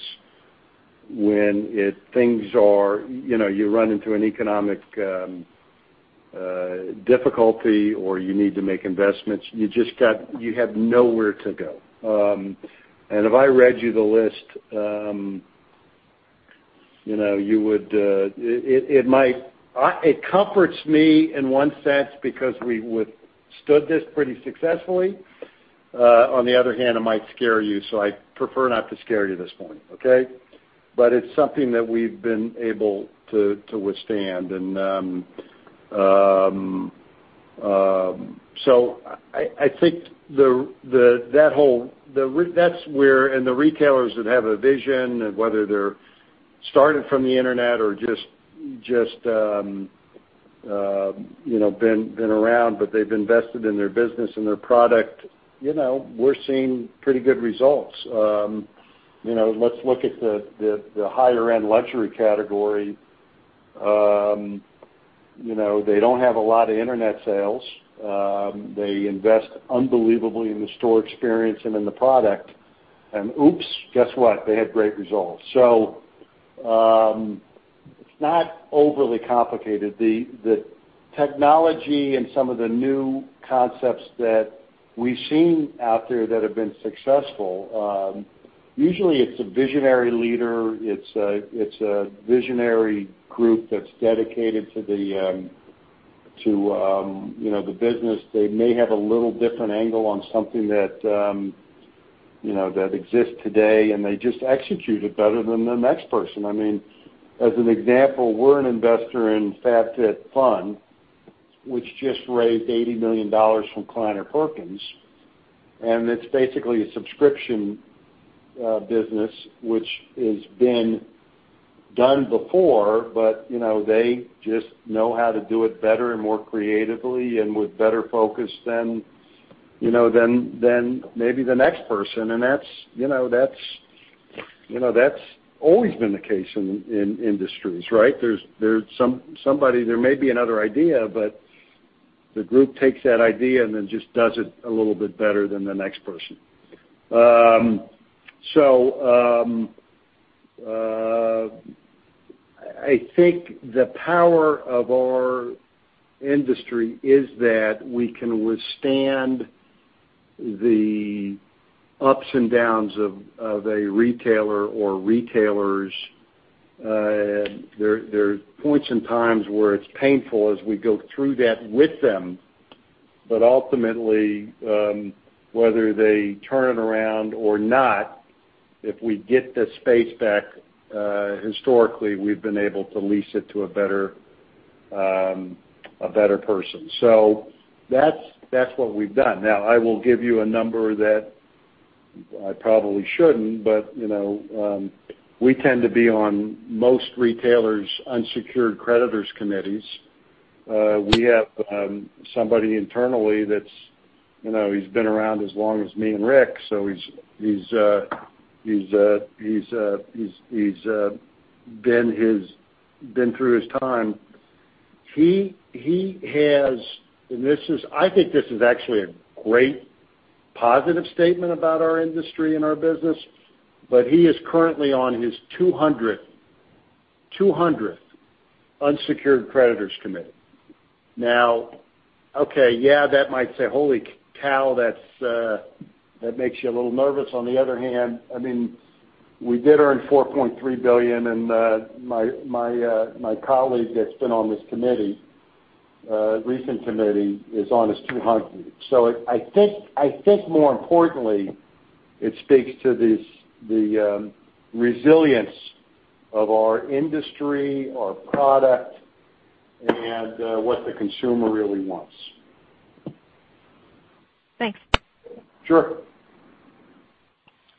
when you run into an economic difficulty or you need to make investments. You have nowhere to go. If I read you the list, it comforts me in one sense because we've withstood this pretty successfully. On the other hand, it might scare you, so I prefer not to scare you this morning, okay? It's something that we've been able to withstand. The retailers that have a vision, whether they're started from the internet or just been around, but they've invested in their business and their product, we're seeing pretty good results. Let's look at the higher-end luxury category. They don't have a lot of internet sales. They invest unbelievably in the store experience and in the product. Oops, guess what? They had great results. It's not overly complicated. The technology and some of the new concepts that we've seen out there that have been successful, usually it's a visionary leader, it's a visionary group that's dedicated to the business. They may have a little different angle on something that exists today, and they just execute it better than the next person. As an example, we're an investor in FabFitFun, which just raised $80 million from Kleiner Perkins, and it's basically a subscription business, which has been done before, but they just know how to do it better and more creatively and with better focus than maybe the next person. That's always been the case in industries, right? There may be another idea, but the group takes that idea and then just does it a little bit better than the next person. I think the power of our industry is that we can withstand the ups and downs of a retailer or retailers. There are points and times where it's painful as we go through that with them. Ultimately, whether they turn it around or not, if we get the space back, historically, we've been able to lease it to a better person. That's what we've done. I will give you a number that I probably shouldn't, but we tend to be on most retailers' unsecured creditors' committees. We have somebody internally, he's been around as long as me and Rick, so he's been through his time. I think this is actually a great positive statement about our industry and our business, but he is currently on his 200th unsecured creditors committee. Okay, yeah, that might say, holy cow, that makes you a little nervous. On the other hand, we did earn $4.3 billion, and my colleague that's been on this recent committee is on his 200th. I think more importantly that it speaks to the resilience of our industry, our product, and what the consumer really wants. Thanks. Sure.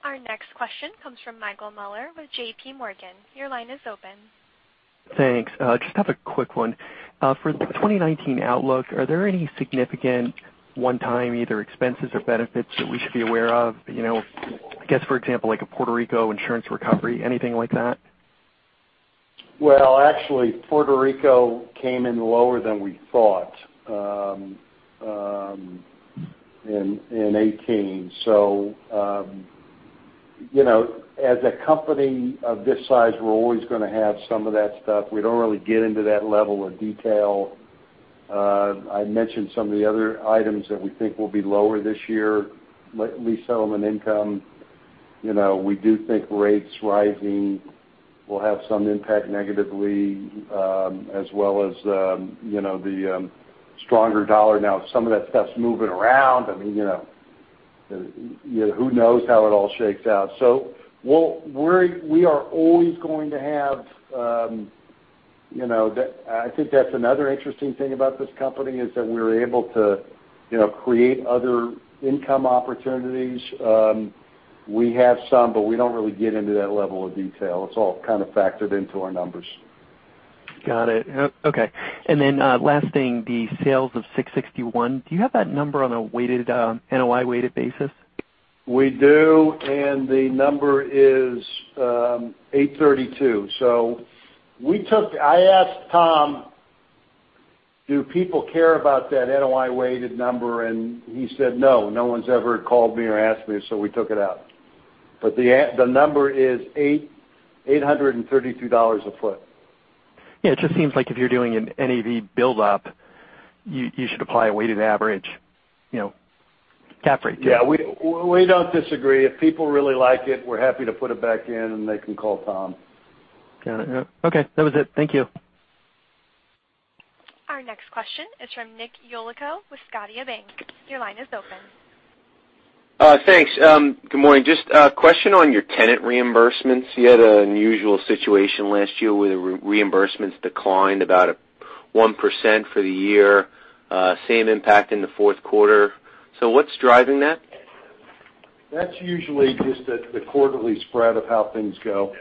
Our next question comes from Michael Mueller with JPMorgan. Your line is open. Thanks. Just have a quick one. For the 2019 outlook, are there any significant one-time either expenses or benefits that we should be aware of? I guess, for example, like a Puerto Rico insurance recovery, anything like that? Well, actually, Puerto Rico came in lower than we thought in 2018. As a company of this size, we're always going to have some of that stuff. We don't really get into that level of detail. I mentioned some of the other items that we think will be lower this year, lease settlement income. We do think rates rising will have some impact negatively, as well as the stronger dollar. Now, some of that stuff's moving around. Who knows how it all shakes out. I think that's another interesting thing about this company, is that we're able to create other income opportunities. We have some, but we don't really get into that level of detail. It's all kind of factored into our numbers. Got it. Okay. Last thing, the sales of 661, do you have that number on a NOI weighted basis? We do, the number is 832. I asked Tom, "Do people care about that NOI weighted number?" He said, "No, no one's ever called me or asked me," we took it out. The number is $832 a foot. Yeah, it just seems like if you're doing an NAV build up, you should apply a weighted average, CAP rate. We don't disagree. If people really like it, we're happy to put it back in, and they can call Tom. Got it. Okay. That was it. Thank you. Our next question is from Nick Yulico with Scotiabank. Your line is open. Thanks. Good morning. Just a question on your tenant reimbursements. You had an unusual situation last year where the reimbursements declined about 1% for the year, same impact in the Q4. What's driving that? That's usually just the quarterly spread of how things go.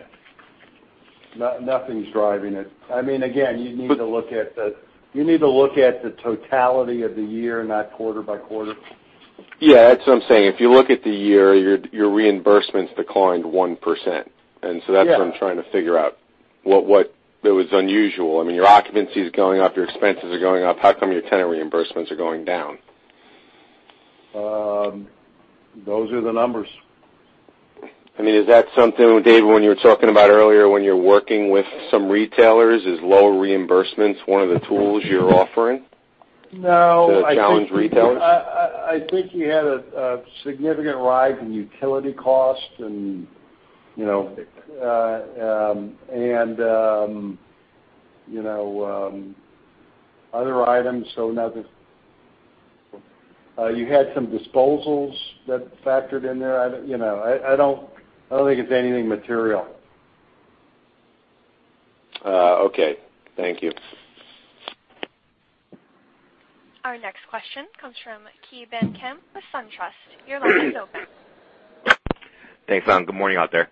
Nothing's driving it. Again, you need to look at the totality of the year, not quarter by quarter. Yeah, that's what I'm saying. If you look at the year, your reimbursements declined 1%. Yeah. That's what I'm trying to figure out. What was unusual? Your occupancy is going up, your expenses are going up. How come your tenant reimbursements are going down? Those are the numbers. Is that something, Dave, when you were talking about earlier, when you're working with some retailers, is low reimbursements one of the tools you're offering to challenge retailers? I think you had a significant rise in utility costs, and other items. You had some disposals that factored in there. I don't think it's anything material. Okay. Thank you. Our next question comes from Ki Bin Kim with SunTrust. Your line is open. Thanks. Good morning out there.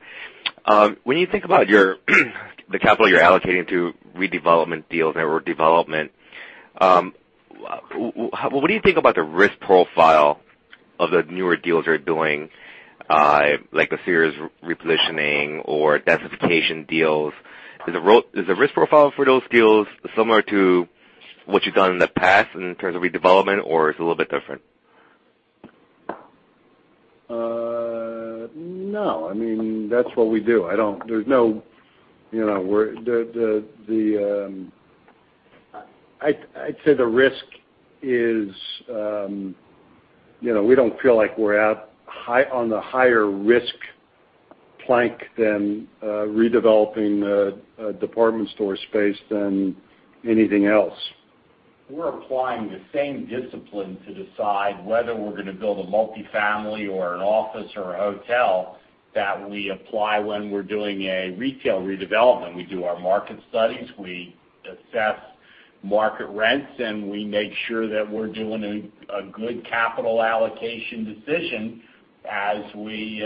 When you think about the capital you're allocating to redevelopment deals. What do you think about the risk profile of the newer deals you're doing, like the Sears repositioning or densification deals? Is the risk profile for those deals similar to what you've done in the past in terms of redevelopment, or it's a little bit different? No. That's what we do. I'd say the risk is, we don't feel like we're on the higher risk plank than redeveloping a department store space than anything else. We're applying the same discipline to decide whether we're going to build a multi-family or an office or a hotel that we apply when we're doing a retail redevelopment. We do our market studies, we assess market rents, and we make sure that we're doing a good capital allocation decision as we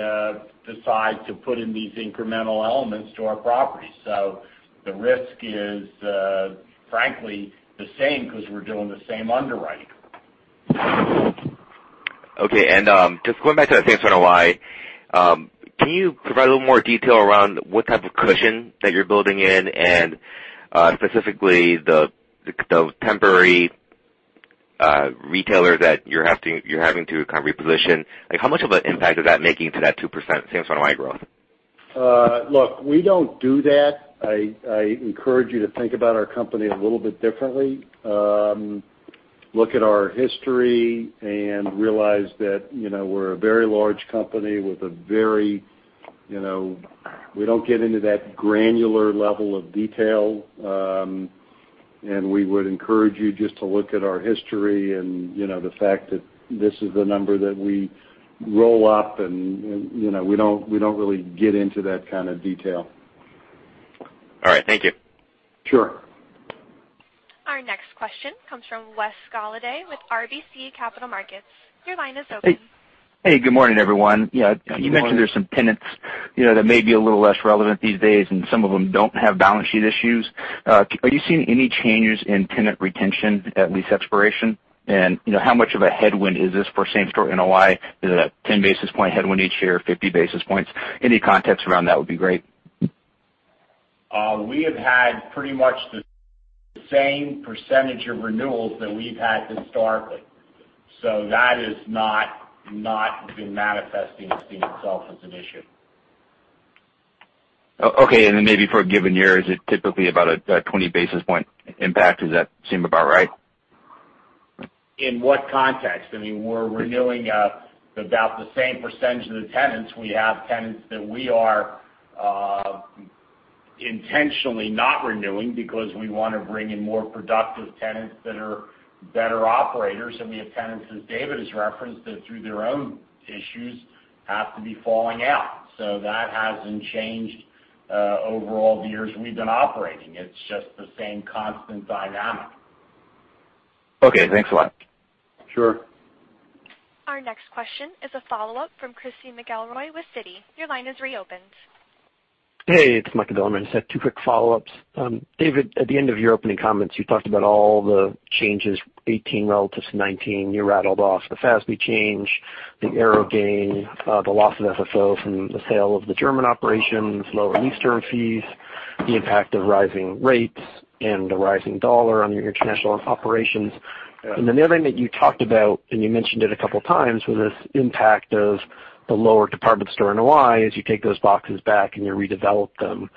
decide to put in these incremental elements to our property. The risk is, frankly, the same because we're doing the same underwriting. Okay. Just going back to that same sort of Y. Can you provide a little more detail around what type of cushion that you're building in and specifically the temporary retailer that you're having to kind of reposition? How much of an impact is that making to that 2% same store NOI growth? Look, we don't do that. I encourage you to think about our company a little bit differently. Look at our history and realize that, we're a very large company. We don't get into that granular level of detail. We would encourage you just to look at our history and the fact that this is the number that we roll up and we don't really get into that kind of detail. All right. Thank you. Sure. Our next question comes from Wes Golladay with RBC Capital Markets. Your line is open. Hey, good morning, everyone. Good morning. You mentioned there's some tenants that may be a little less relevant these days. Some of them don't have balance sheet issues. Are you seeing any changes in tenant retention at lease expiration? How much of a headwind is this for same store NOI? Is it a 10-basis point headwind each year, 50-basis points? Any context around that would be great. We have had pretty much the same percentage of renewals that we've had historically. That has not been manifesting itself as an issue. Okay. Then maybe for a given year, is it typically about a 20-basis point impact? Does that seem about right? In what context? We're renewing about the same percentage of the tenants. We have tenants that we are intentionally not renewing because we want to bring in more productive tenants that are better operators. We have tenants, as David has referenced, that through their own issues, have to be falling out. That hasn't changed overall the years we've been operating. It's just the same constant dynamic. Okay, thanks a lot. Sure. Our next question is a follow-up from Christy McElroy with Citi. Your line is reopened. Hey, it's Mike McElroy. I just have two quick follow-ups. David, at the end of your opening comments, you talked about all the changes 2018 relative to 2019. You rattled off the FASB change, the Aéropostale gain, the loss of FFO from the sale of the German operations, lower lease term fees, the impact of rising rates and the rising dollar on your international operations. Yeah. Another thing that you talked about, and you mentioned it a couple of times, was this impact of the lower department store NOI as you take those boxes back and you redevelop them.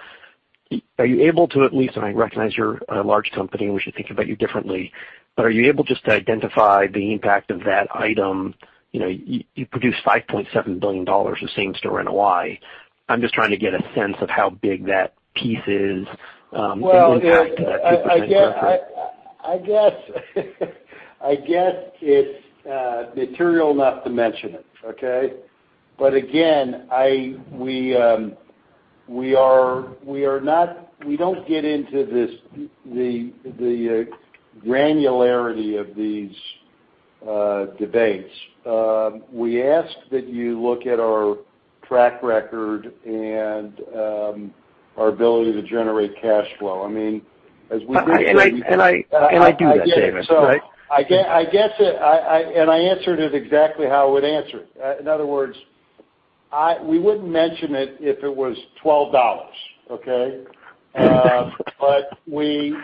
Are you able to at least, and I recognize you're a large company and we should think about you differently, but are you able just to identify the impact of that item? You produce $5.7 billion of same store NOI. I'm just trying to get a sense of how big that piece is Well, I guess it's material enough to mention it, okay? Again, we don't get into the granularity of these debates. We ask that you look at our track record and our ability to generate cash flow. I do that, David. I answered it exactly how I would answer it. In other words, we wouldn't mention it if it was $12, okay? We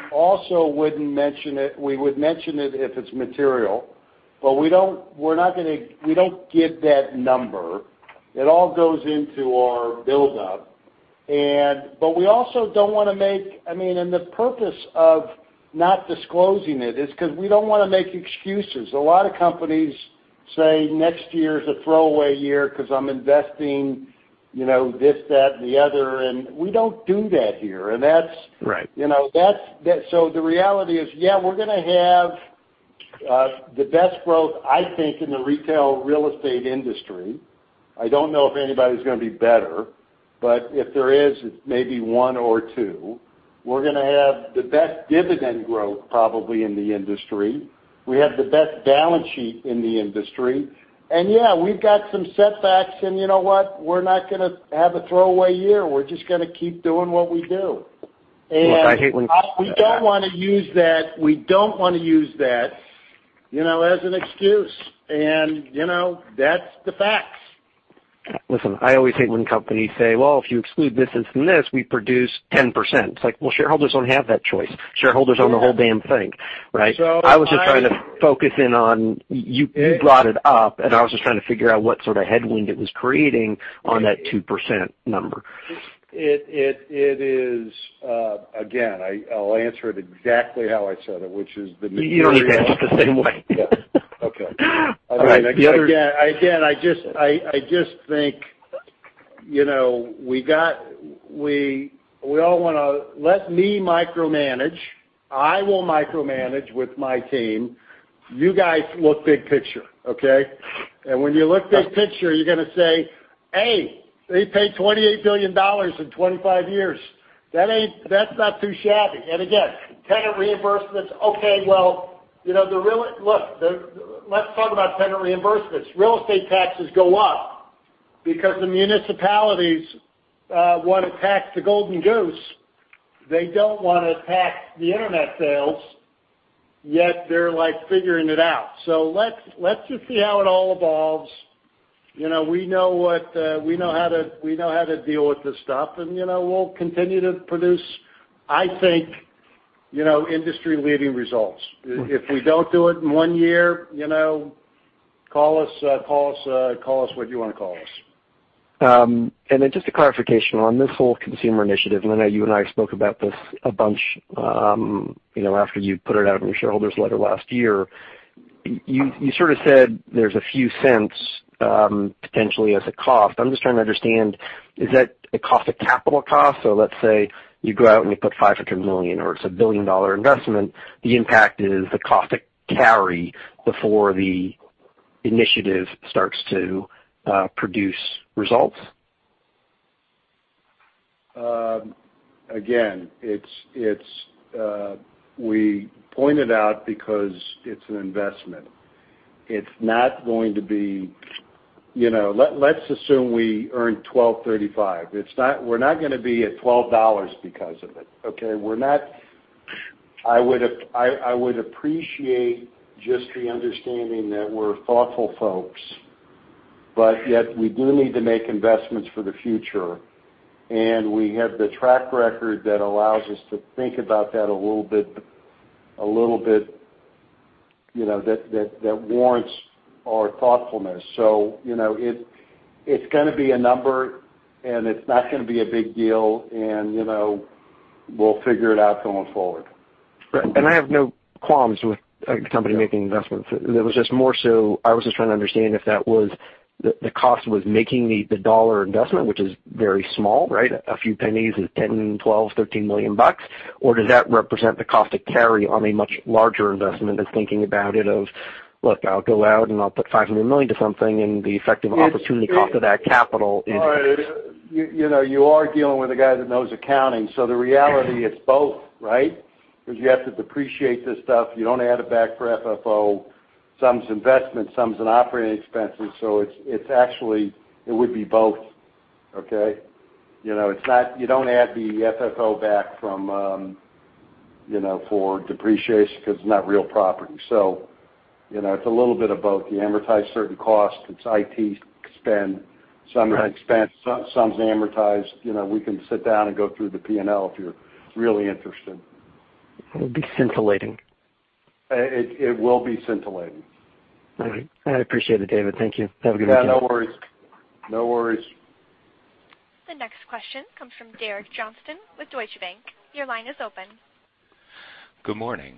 would mention it if it's material. We don't give that number. It all goes into our buildup. The purpose of not disclosing it is because we don't want to make excuses. A lot of companies say, "Next year is a throwaway year because I'm investing this, that, and the other." We don't do that here. Right. The reality is, yeah, we're going have the best growth, I think, in the retail real estate industry. I don't know if anybody's going to be better, but if there is, it's maybe one or two. We're going have the best dividend growth probably in the industry. We have the best balance sheet in the industry. Yeah, we've got some setbacks, and you know what? We're not going have a throwaway year. We're just going keep doing what we do. Look, I hate. We don't want to use that as an excuse. That's the facts. Listen, I always hate when companies say, "Well, if you exclude this and from this, we produce 10%." It's like, well, shareholders don't have that choice. Shareholders own the whole damn thing, right? I was just trying to focus in on, you brought it up, and I was just trying to figure out what sort of headwind it was creating on that 2% number. It is, again, I'll answer it exactly how I said it, which is. You don't need to answer it the same way. Yeah. Okay. All right. Again, I just think we all want to let me micromanage. I will micromanage with my team. You guys look big picture, okay? When you look big picture, you're going to say, "Hey, they paid $28 billion in 25 years. That's not too shabby." Again, tenant reimbursements, okay, well, look, let's talk about tenant reimbursements. Real estate taxes go up because the municipalities want to tax the golden goose. They don't want to tax the internet sales, yet they're figuring it out. Let's just see how it all evolves. We know how to deal with this stuff, and we'll continue to produce, I think, industry-leading results. If we don't do it in one year, call us what you want to call us. just a clarification on this whole consumer initiative, I know you and I spoke about this a bunch after you put it out in your shareholders' letter last year. You sort of said there's a few cents potentially as a cost. I'm just trying to understand, is that a cost, a capital cost? Let's say you go out and you put $500 million, or it's a billion-dollar investment, the impact is the cost to carry before the initiative starts to produce results? We point it out because it's an investment. Let's assume we earn $12.35. We're not going to be at $12 because of it, okay? I would appreciate just the understanding that we're thoughtful folks, but yet we do need to make investments for the future. We have the track record that allows us to think about that a little bit, that warrants our thoughtfulness. It's going to be a number, it's not going to be a big deal, and we'll figure it out going forward. Right. I have no qualms with a company making investments. It was just more so I was just trying to understand if the cost was making the dollar investment, which is very small, right? A few pennies are $10 million, $12 million, $13 million bucks. Or does that represent the cost to carry on a much larger investment and thinking about it off, look, I'll go out and I'll put $500 million to something, and the effective opportunity cost of that capital is All right. You are dealing with a guy that knows accounting, the reality, it's both, right? Because you have to depreciate this stuff. You don't add it back for FFO. Some's investment, some's in operating expenses, it's actually, it would be both, okay? You don't add the FFO back for depreciation because it's not real property. It's a little bit of both. You amortize certain costs. Its IT spend, some are expense, some's amortized. We can sit down and go through the P&L if you're really interested. It'll be scintillating. It will be scintillating. All right. I appreciate it, David. Thank you. Have a good evening. Yeah, no worries. No worries. The next question comes from Derek Johnston with Deutsche Bank. Your line is open. Good morning.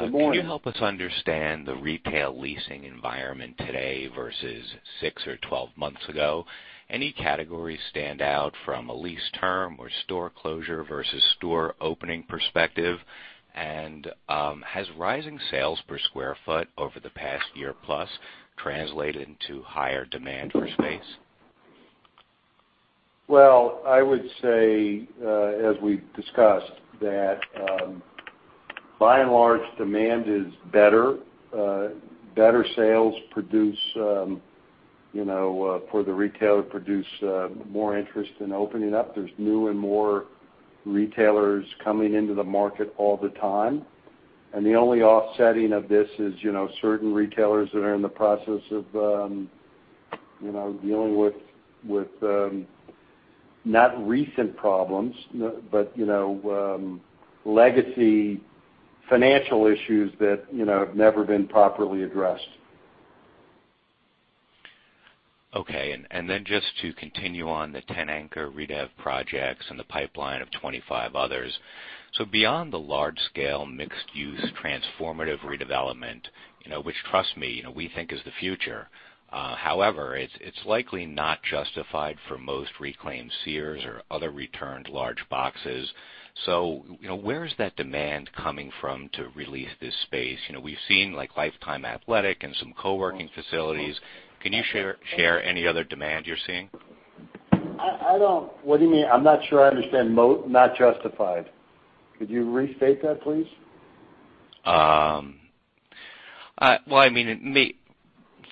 Good morning. Can you help us understand the retail leasing environment today versus 6 or 12 months ago? Any categories stand out from a lease term or store closure versus store opening perspective? Has rising sales per square foot over the past year plus translated into higher demand for space? Well, I would say, as we've discussed, that by and large, demand is better. Better sales produce, for the retailer, produce more interest in opening up. There is new and more retailers coming into the market all the time. The only offsetting of this is certain retailers that are in the process of dealing with not recent problems, but legacy financial issues that have never been properly addressed. Okay. Just to continue on the 10 anchor redev projects and the pipeline of 25 others. Beyond the large-scale, mixed-use, transformative redevelopment, which trust me, we think is the future. However, it is likely not justified for most reclaimed Sears or other returned large boxes. Where is that demand coming from to re-lease this space? We have seen Life Time Athletic and some co-working facilities. Can you share any other demand you are seeing? What do you mean? I am not sure I understand, not justified. Could you restate that, please? Well, I mean,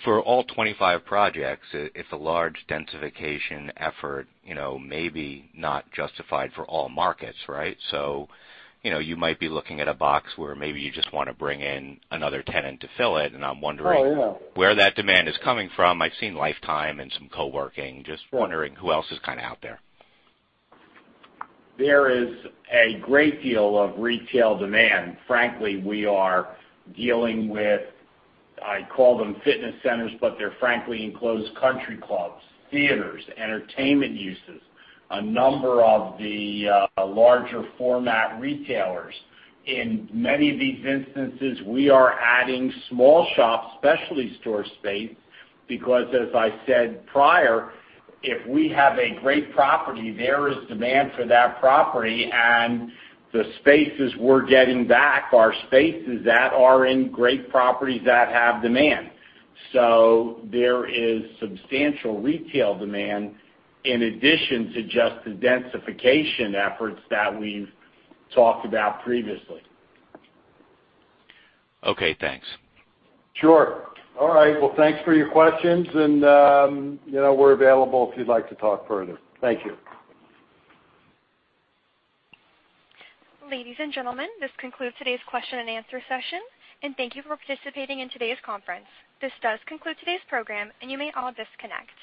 for all 25 projects, it is a large densification effort maybe not justified for all markets, right? You might be looking at a box where maybe you just want to bring in another tenant to fill it, I am wondering where that demand is coming from. I've seen Life Time and some co-working. Just wondering who else is kind of out there. There is a great deal of retail demand. Frankly, we are dealing with, I call them fitness centers, but they're frankly enclosed country clubs, theaters, entertainment uses, a number of the larger format retailers. In many of these instances, we are adding small shop specialty store space because, as I said prior, if we have a great property, there is demand for that property, and the spaces we're getting back are spaces that are in great properties that have demand. There is substantial retail demand in addition to just the densification efforts that we've talked about previously. Okay, thanks. Sure. All right. Well, thanks for your questions, and we're available if you'd like to talk further. Thank you. Ladies and gentlemen, this concludes today's question-and-answer session and thank you for participating in today's conference. This does conclude today's program, and you may all disconnect.